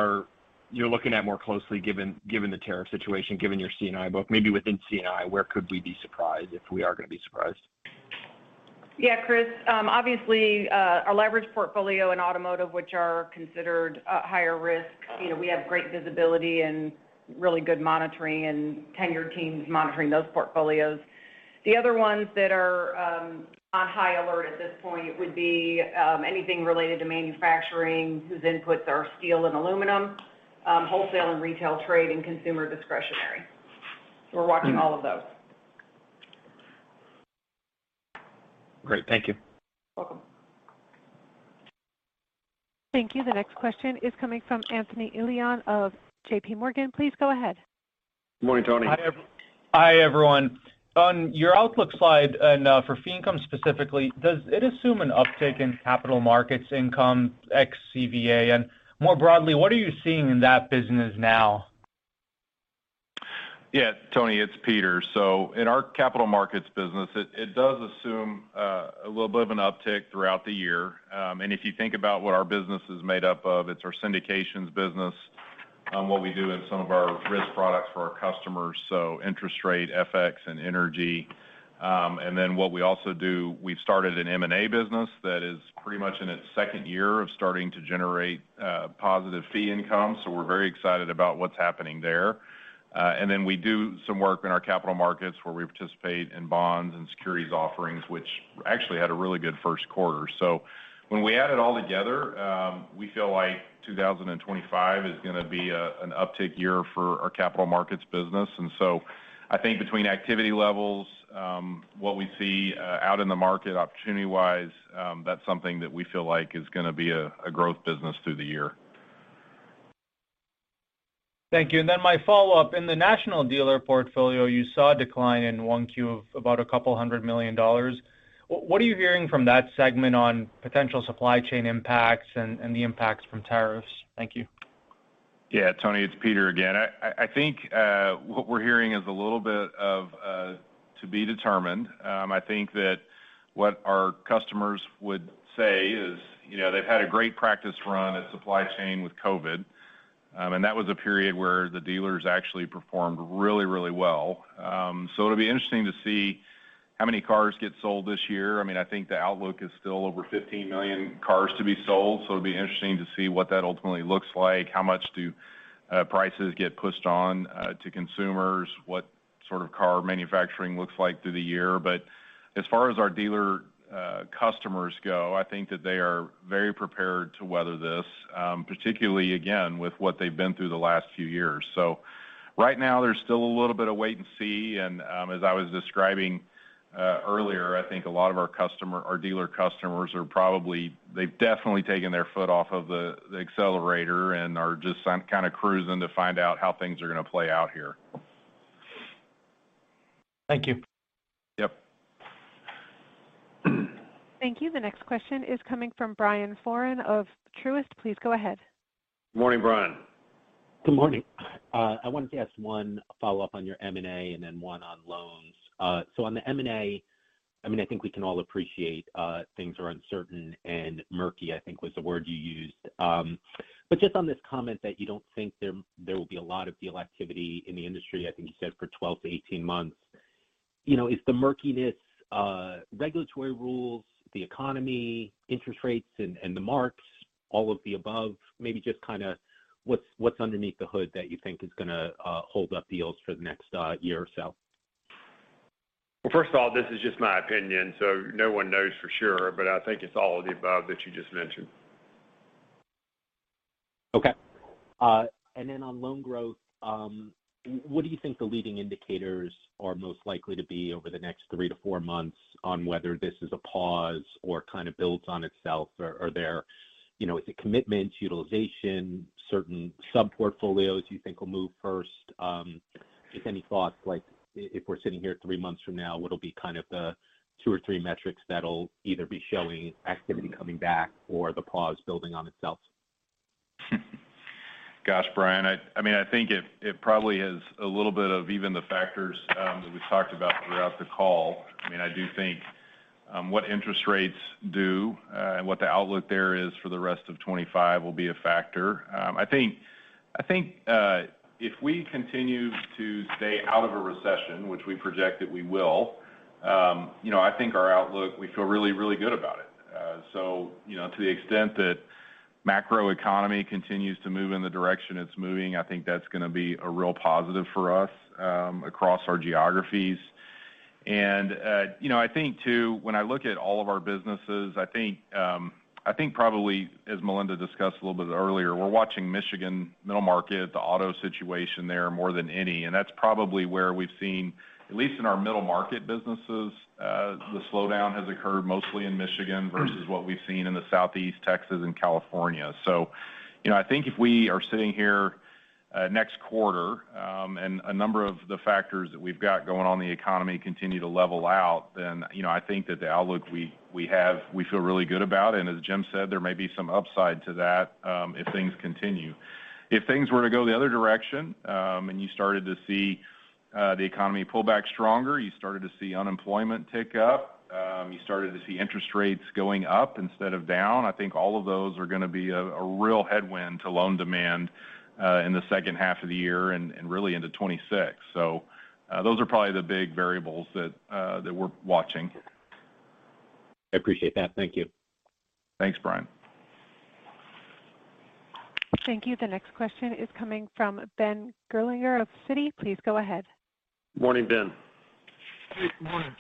Speaker 13: you're looking at more closely given the tariff situation, given your C&I book? Maybe within C&I, where could we be surprised if we are going to be surprised?
Speaker 10: Yeah, Chris. Obviously, our leverage portfolio in automotive, which are considered higher risk, we have great visibility and really good monitoring and tenured teams monitoring those portfolios. The other ones that are on high alert at this point would be anything related to manufacturing whose inputs are steel and aluminum, wholesale and retail trade, and consumer discretionary. So we're watching all of those.
Speaker 13: Great. Thank you.
Speaker 10: Welcome.
Speaker 1: Thank you. The next question is coming from Anthony Elian of JPMorgan. Please go ahead.
Speaker 3: Good morning, Tony.
Speaker 14: Hi, everyone. On your outlook slide and for fee income specifically, does it assume an uptick in capital markets income, ex-CVA? More broadly, what are you seeing in that business now?
Speaker 6: Yeah, Tony, it's Peter. In our capital markets business, it does assume a little bit of an uptick throughout the year. If you think about what our business is made up of, it's our syndications business, what we do in some of our risk products for our customers, so interest rate, FX, and energy. What we also do, we've started an M&A business that is pretty much in its second year of starting to generate positive fee income. We are very excited about what's happening there. We do some work in our capital markets where we participate in bonds and securities offerings, which actually had a really good first quarter. When we add it all together, we feel like 2025 is going to be an uptick year for our capital markets business. I think between activity levels, what we see out in the market opportunity-wise, that's something that we feel like is going to be a growth business through the year.
Speaker 14: Thank you. My follow-up. In the national dealer portfolio, you saw a decline in Q1 of about a couple hundred million dollars. What are you hearing from that segment on potential supply chain impacts and the impacts from tariffs? Thank you.
Speaker 6: Yeah, Tony, it's Peter again. I think what we're hearing is a little bit of to be determined. I think that what our customers would say is they've had a great practice run at supply chain with COVID. That was a period where the dealers actually performed really, really well. It will be interesting to see how many cars get sold this year. I mean, I think the outlook is still over 15 million cars to be sold. It will be interesting to see what that ultimately looks like, how much do prices get pushed on to consumers, what sort of car manufacturing looks like through the year. As far as our dealer customers go, I think that they are very prepared to weather this, particularly, again, with what they have been through the last few years. Right now, there is still a little bit of wait and see. As I was describing earlier, I think a lot of our dealer customers are probably, they have definitely taken their foot off of the accelerator and are just kind of cruising to find out how things are going to play out here.
Speaker 14: Thank you.
Speaker 6: Yep.
Speaker 1: Thank you. The next question is coming from Brian Foran of Truist. Please go ahead.
Speaker 3: Good morning, Brian.
Speaker 15: Good morning. I wanted to ask one follow-up on your M&A and then one on loans. On the M&A, I mean, I think we can all appreciate things are uncertain and murky, I think was the word you used. Just on this comment that you do not think there will be a lot of deal activity in the industry, I think you said for 12-18 months, is the murkiness regulatory rules, the economy, interest rates, and the marks, all of the above, maybe just kind of what is underneath the hood that you think is going to hold up deals for the next year or so?
Speaker 3: First of all, this is just my opinion. No one knows for sure. I think it is all of the above that you just mentioned.
Speaker 15: Okay. On loan growth, what do you think the leading indicators are most likely to be over the next three to four months on whether this is a pause or kind of builds on itself? Is it commitments, utilization, certain sub-portfolios you think will move first? Just any thoughts like if we are sitting here three months from now, what will be the two or three metrics that will either be showing activity coming back or the pause building on itself?
Speaker 6: Gosh, Brian. I think it probably has a little bit of even the factors that we have talked about throughout the call. I do think what interest rates do and what the outlook there is for the rest of 2025 will be a factor. I think if we continue to stay out of a recession, which we project that we will, I think our outlook, we feel really, really good about it. To the extent that macroeconomy continues to move in the direction it's moving, I think that's going to be a real positive for us across our geographies. I think, too, when I look at all of our businesses, I think probably, as Melinda discussed a little bit earlier, we're watching Michigan middle market, the auto situation there more than any. That's probably where we've seen, at least in our middle market businesses, the slowdown has occurred mostly in Michigan versus what we've seen in the Southeast, Texas, and California. I think if we are sitting here next quarter and a number of the factors that we've got going on in the economy continue to level out, then I think that the outlook we have, we feel really good about. As Jim said, there may be some upside to that if things continue. If things were to go the other direction and you started to see the economy pull back stronger, you started to see unemployment tick up, you started to see interest rates going up instead of down, I think all of those are going to be a real headwind to loan demand in the second half of the year and really into 2026. Those are probably the big variables that we're watching.
Speaker 15: I appreciate that. Thank you.
Speaker 6: Thanks, Brian.
Speaker 1: Thank you. The next question is coming from Ben Gerlinger of Citi. Please go ahead.
Speaker 3: Morning, Ben.
Speaker 16: Good morning.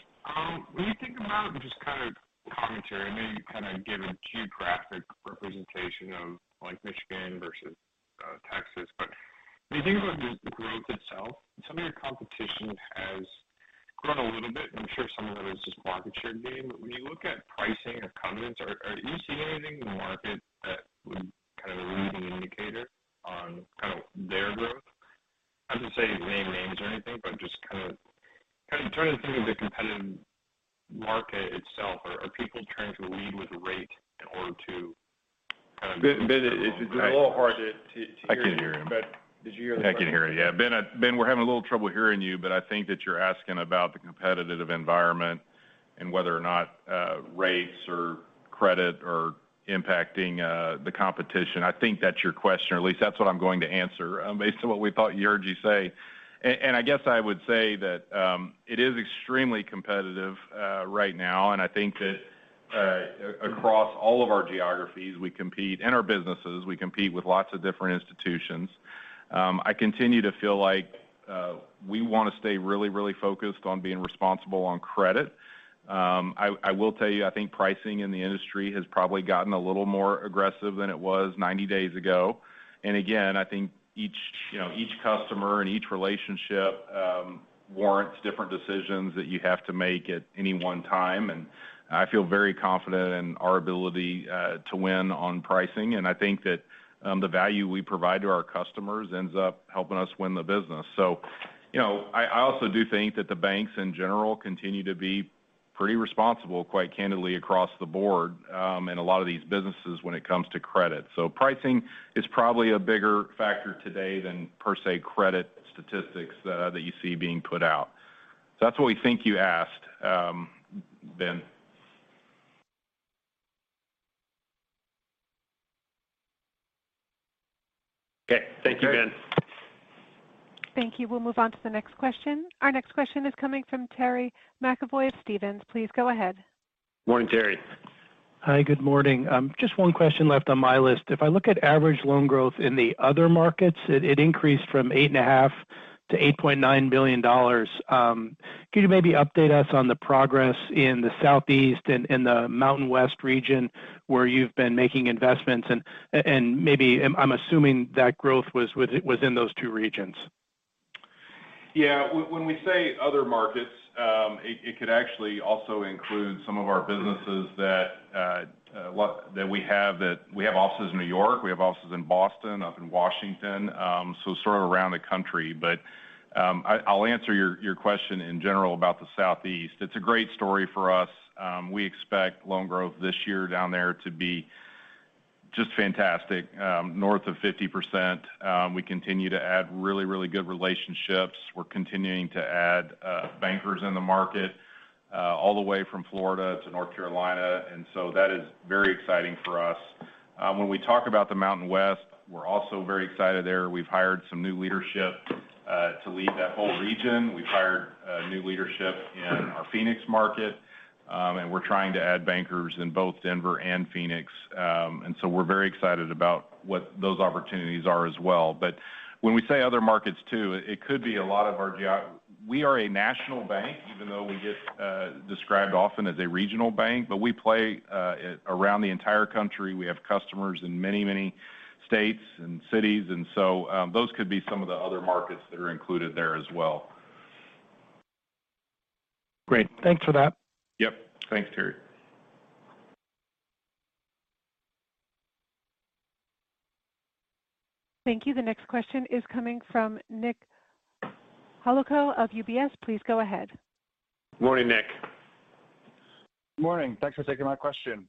Speaker 16: When you think about just kind of commentary, I know you kind of gave a geographic representation of Michigan versus Texas. When you think about just growth itself, some of your competition has grown a little bit. I'm sure some of that is just market share gain. When you look at pricing or covenants, are you seeing anything in the market that would kind of lead an indicator on kind of their growth? Not to say name names or anything, just kind of trying to think of the competitive market itself. Are people trying to lead with rate in order to kind of?
Speaker 3: Ben, it's a little hard to hear you.
Speaker 6: I can hear you.
Speaker 16: Did you hear the question?
Speaker 6: Yeah, I can hear you. Yeah. Ben, we're having a little trouble hearing you.I think that you're asking about the competitive environment and whether or not rates or credit are impacting the competition. I think that's your question. At least that's what I'm going to answer based on what we thought we heard you say. I would say that it is extremely competitive right now. I think that across all of our geographies, we compete in our businesses. We compete with lots of different institutions. I continue to feel like we want to stay really, really focused on being responsible on credit. I will tell you, I think pricing in the industry has probably gotten a little more aggressive than it was 90 days ago. Again, I think each customer and each relationship warrants different decisions that you have to make at any one time. I feel very confident in our ability to win on pricing. I think that the value we provide to our customers ends up helping us win the business. I also do think that the banks in general continue to be pretty responsible, quite candidly, across the board in a lot of these businesses when it comes to credit. Pricing is probably a bigger factor today than, per se, credit statistics that you see being put out. That is what we think you asked, Ben.
Speaker 3: Thank you, Ben.
Speaker 1: Thank you. We will move on to the next question. Our next question is coming from Terry McEvoy of Stephens. Please go ahead.
Speaker 3: Morning, Terry.
Speaker 17: Hi, good morning. Just one question left on my list. If I look at average loan growth in the other markets, it increased from $8.5 billion- $8.9 billion. Could you maybe update us on the progress in the Southeast and the Mountain West region where you've been making investments? Maybe I'm assuming that growth was in those two regions.
Speaker 6: Yeah. When we say other markets, it could actually also include some of our businesses that we have that we have offices in New York. We have offices in Boston, up in Washington, so sort of around the country. I'll answer your question in general about the Southeast. It's a great story for us. We expect loan growth this year down there to be just fantastic, north of 50%. We continue to add really, really good relationships. We're continuing to add bankers in the market all the way from Florida to North Carolina. That is very exciting for us. When we talk about the Mountain West, we're also very excited there. We've hired some new leadership to lead that whole region. We've hired new leadership in our Phoenix market. We are trying to add bankers in both Denver and Phoenix. We are very excited about what those opportunities are as well. When we say other markets, too, it could be a lot of our we are a national bank, even though we get described often as a regional bank. We play around the entire country. We have customers in many, many states and cities. Those could be some of the other markets that are included there as well.
Speaker 17: Great. Thanks for that.
Speaker 6: Yep. Thanks, Terry.
Speaker 1: Thank you. The next question is coming from Nick Holowko of UBS. Please go ahead.
Speaker 3: Morning, Nick.
Speaker 18: Good morning. Thanks for taking my question.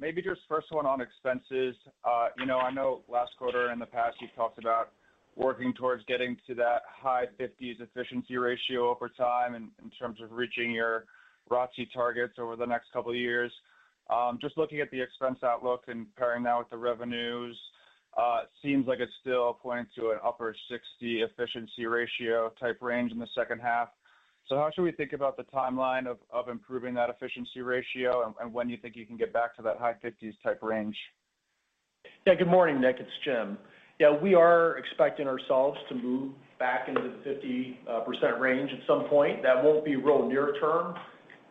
Speaker 18: Maybe just first one on expenses. I know last quarter and the past, you've talked about working towards getting to that high 50s efficiency ratio over time in terms of reaching your ROTCE targets over the next couple of years. Just looking at the expense outlook and pairing that with the revenues, it seems like it's still pointing to an upper 60% efficiency ratio type range in the second half. How should we think about the timeline of improving that efficiency ratio and when you think you can get back to that high 50s type range?
Speaker 4: Yeah. Good morning, Nick. It's Jim. Yeah, we are expecting ourselves to move back into the 50% range at some point. That won't be real near term.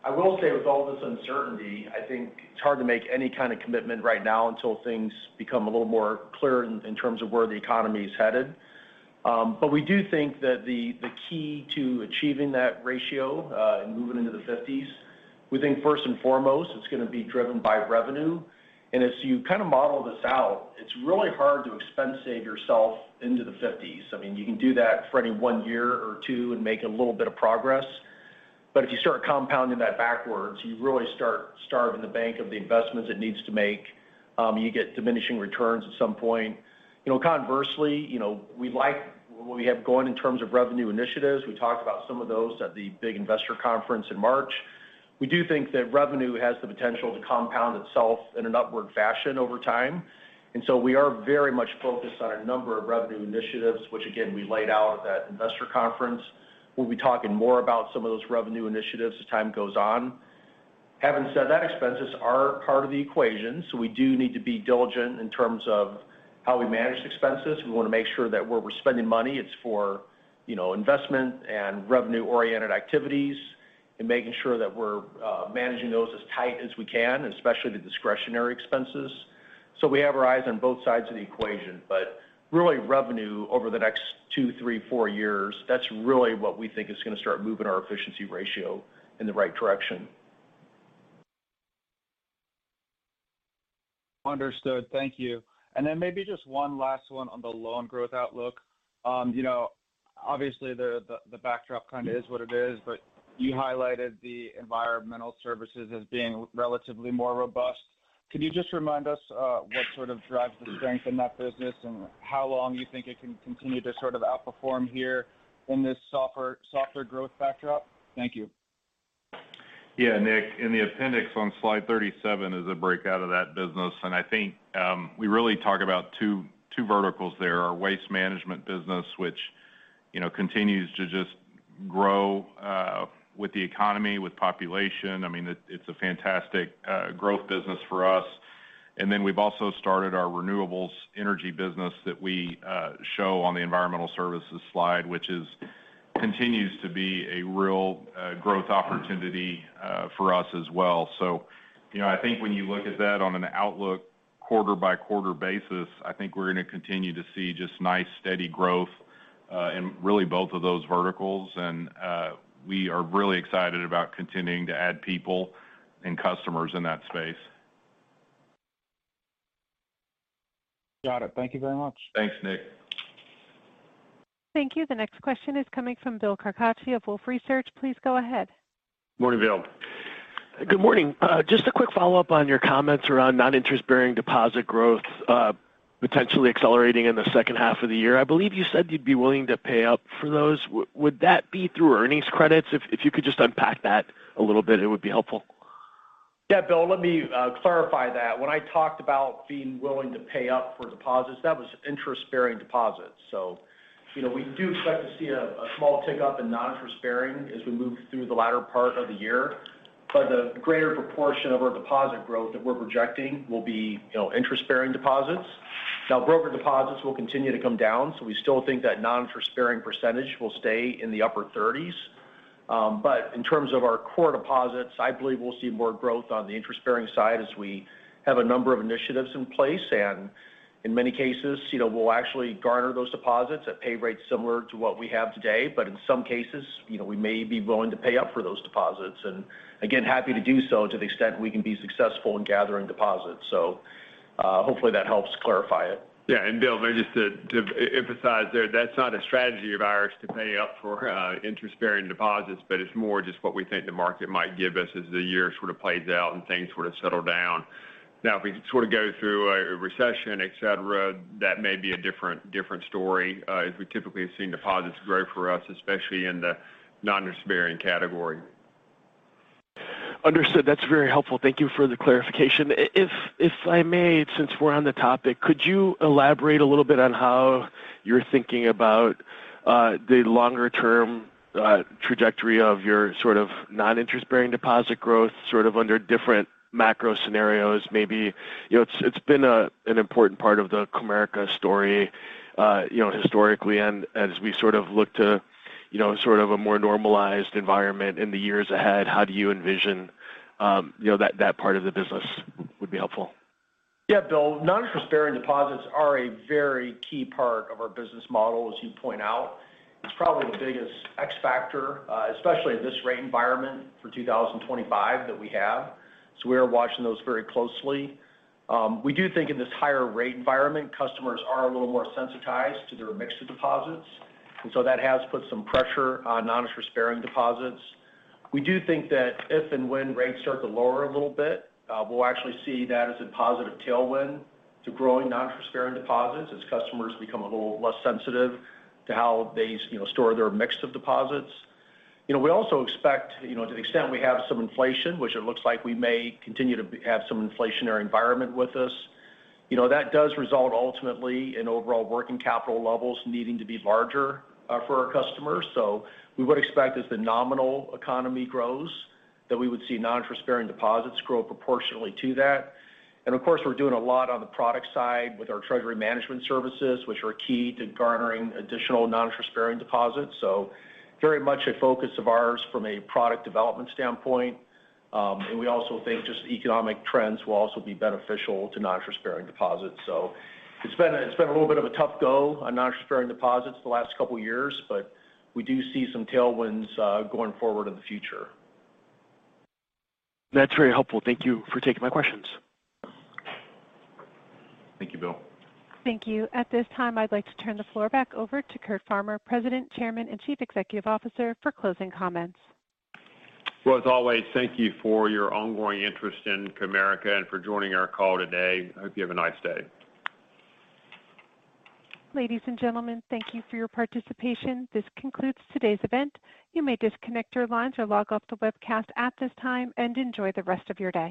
Speaker 4: I will say, with all this uncertainty, I think it's hard to make any kind of commitment right now until things become a little more clear in terms of where the economy is headed. We do think that the key to achieving that ratio and moving into the 50s, we think first and foremost, it's going to be driven by revenue. As you kind of model this out, it's really hard to expense save yourself into the 50s. I mean, you can do that for any one year or two and make a little bit of progress. If you start compounding that backwards, you really start starving the bank of the investments it needs to make. You get diminishing returns at some point. Conversely, we like what we have going in terms of revenue initiatives. We talked about some of those at the big investor conference in March. We do think that revenue has the potential to compound itself in an upward fashion over time. We are very much focused on a number of revenue initiatives, which, again, we laid out at that investor conference. We will be talking more about some of those revenue initiatives as time goes on. Having said that, expenses are part of the equation. We do need to be diligent in terms of how we manage expenses. We want to make sure that where we are spending money, it is for investment and revenue-oriented activities and making sure that we are managing those as tight as we can, especially the discretionary expenses. We have our eyes on both sides of the equation. Really, revenue over the next two, three, four years, that's really what we think is going to start moving our efficiency ratio in the right direction.
Speaker 18: Understood. Thank you. Maybe just one last one on the loan growth outlook. Obviously, the backdrop kind of is what it is. You highlighted the environmental services as being relatively more robust. Could you just remind us what sort of drives the strength in that business and how long you think it can continue to sort of outperform here in this softer growth backdrop? Thank you.
Speaker 6: Yeah, Nick. In the appendix on slide 37 is a breakout of that business. I think we really talk about two verticals there. Our waste management business, which continues to just grow with the economy, with population. I mean, it's a fantastic growth business for us. We have also started our renewables energy business that we show on the environmental services slide, which continues to be a real growth opportunity for us as well. I think when you look at that on an outlook quarter-by-quarter basis, I think we are going to continue to see just nice, steady growth in really both of those verticals. We are really excited about continuing to add people and customers in that space.
Speaker 18: Got it. Thank you very much.
Speaker 6: Thanks, Nick.
Speaker 1: Thank you. The next question is coming from Bill Carcache of Wolfe Research. Please go ahead.
Speaker 3: Morning, Bill. Good morning.
Speaker 19: Good morning. Just a quick follow-up on your comments around non-interest-bearing deposit growth potentially accelerating in the second half of the year. I believe you said you would be willing to pay up for those. Would that be through earnings credits? If you could just unpack that a little bit, it would be helpful.
Speaker 4: Yeah, Bill, let me clarify that. When I talked about being willing to pay up for deposits, that was interest-bearing deposits. We do expect to see a small tick up in non-interest-bearing as we move through the latter part of the year. The greater proportion of our deposit growth that we're projecting will be interest-bearing deposits. Now, broker deposits will continue to come down. We still think that non-interest-bearing percentage will stay in the upper 30s. In terms of our core deposits, I believe we'll see more growth on the interest-bearing side as we have a number of initiatives in place. In many cases, we'll actually garner those deposits at pay rates similar to what we have today. In some cases, we may be willing to pay up for those deposits. Again, happy to do so to the extent we can be successful in gathering deposits. Hopefully that helps clarify it.
Speaker 3: Yeah. And Bill, just to emphasize there, that's not a strategy of ours to pay up for interest-bearing deposits. It's more just what we think the market might give us as the year sort of plays out and things sort of settle down. Now, if we sort of go through a recession, etc., that may be a different story as we typically have seen deposits grow for us, especially in the non-interest-bearing category.
Speaker 19: Understood. That's very helpful. Thank you for the clarification. If I may, since we're on the topic, could you elaborate a little bit on how you're thinking about the longer-term trajectory of your sort of non-interest-bearing deposit growth sort of under different macro scenarios? Maybe it's been an important part of the Comerica story historically. And as we sort of look to sort of a more normalized environment in the years ahead, how do you envision that part of the business? Would be helpful.
Speaker 4: Yeah, Bill. Non-interest-bearing deposits are a very key part of our business model, as you point out. It's probably the biggest X factor, especially in this rate environment for 2025 that we have. We are watching those very closely. We do think in this higher rate environment, customers are a little more sensitized to their mix of deposits. That has put some pressure on non-interest-bearing deposits. We do think that if and when rates start to lower a little bit, we'll actually see that as a positive tailwind to growing non-interest-bearing deposits as customers become a little less sensitive to how they store their mix of deposits. We also expect to the extent we have some inflation, which it looks like we may continue to have some inflationary environment with us, that does result ultimately in overall working capital levels needing to be larger for our customers. We would expect as the nominal economy grows that we would see non-interest-bearing deposits grow proportionately to that. Of course, we're doing a lot on the product side with our Treasury Management Services, which are key to garnering additional non-interest-bearing deposits. Very much a focus of ours from a product development standpoint. We also think just economic trends will also be beneficial to non-interest-bearing deposits. It has been a little bit of a tough go on non-interest-bearing deposits the last couple of years. We do see some tailwinds going forward in the future.
Speaker 19: That's very helpful. Thank you for taking my questions.
Speaker 3: Thank you, Bill.
Speaker 1: Thank you. At this time, I'd like to turn the floor back over to Curt Farmer, President, Chairman, and Chief Executive Officer, for closing comments.
Speaker 3: As always, thank you for your ongoing interest in Comerica and for joining our call today. I hope you have a nice day.
Speaker 1: Ladies and gentlemen, thank you for your participation. This concludes today's event. You may disconnect your lines or log off the webcast at this time and enjoy the rest of your day.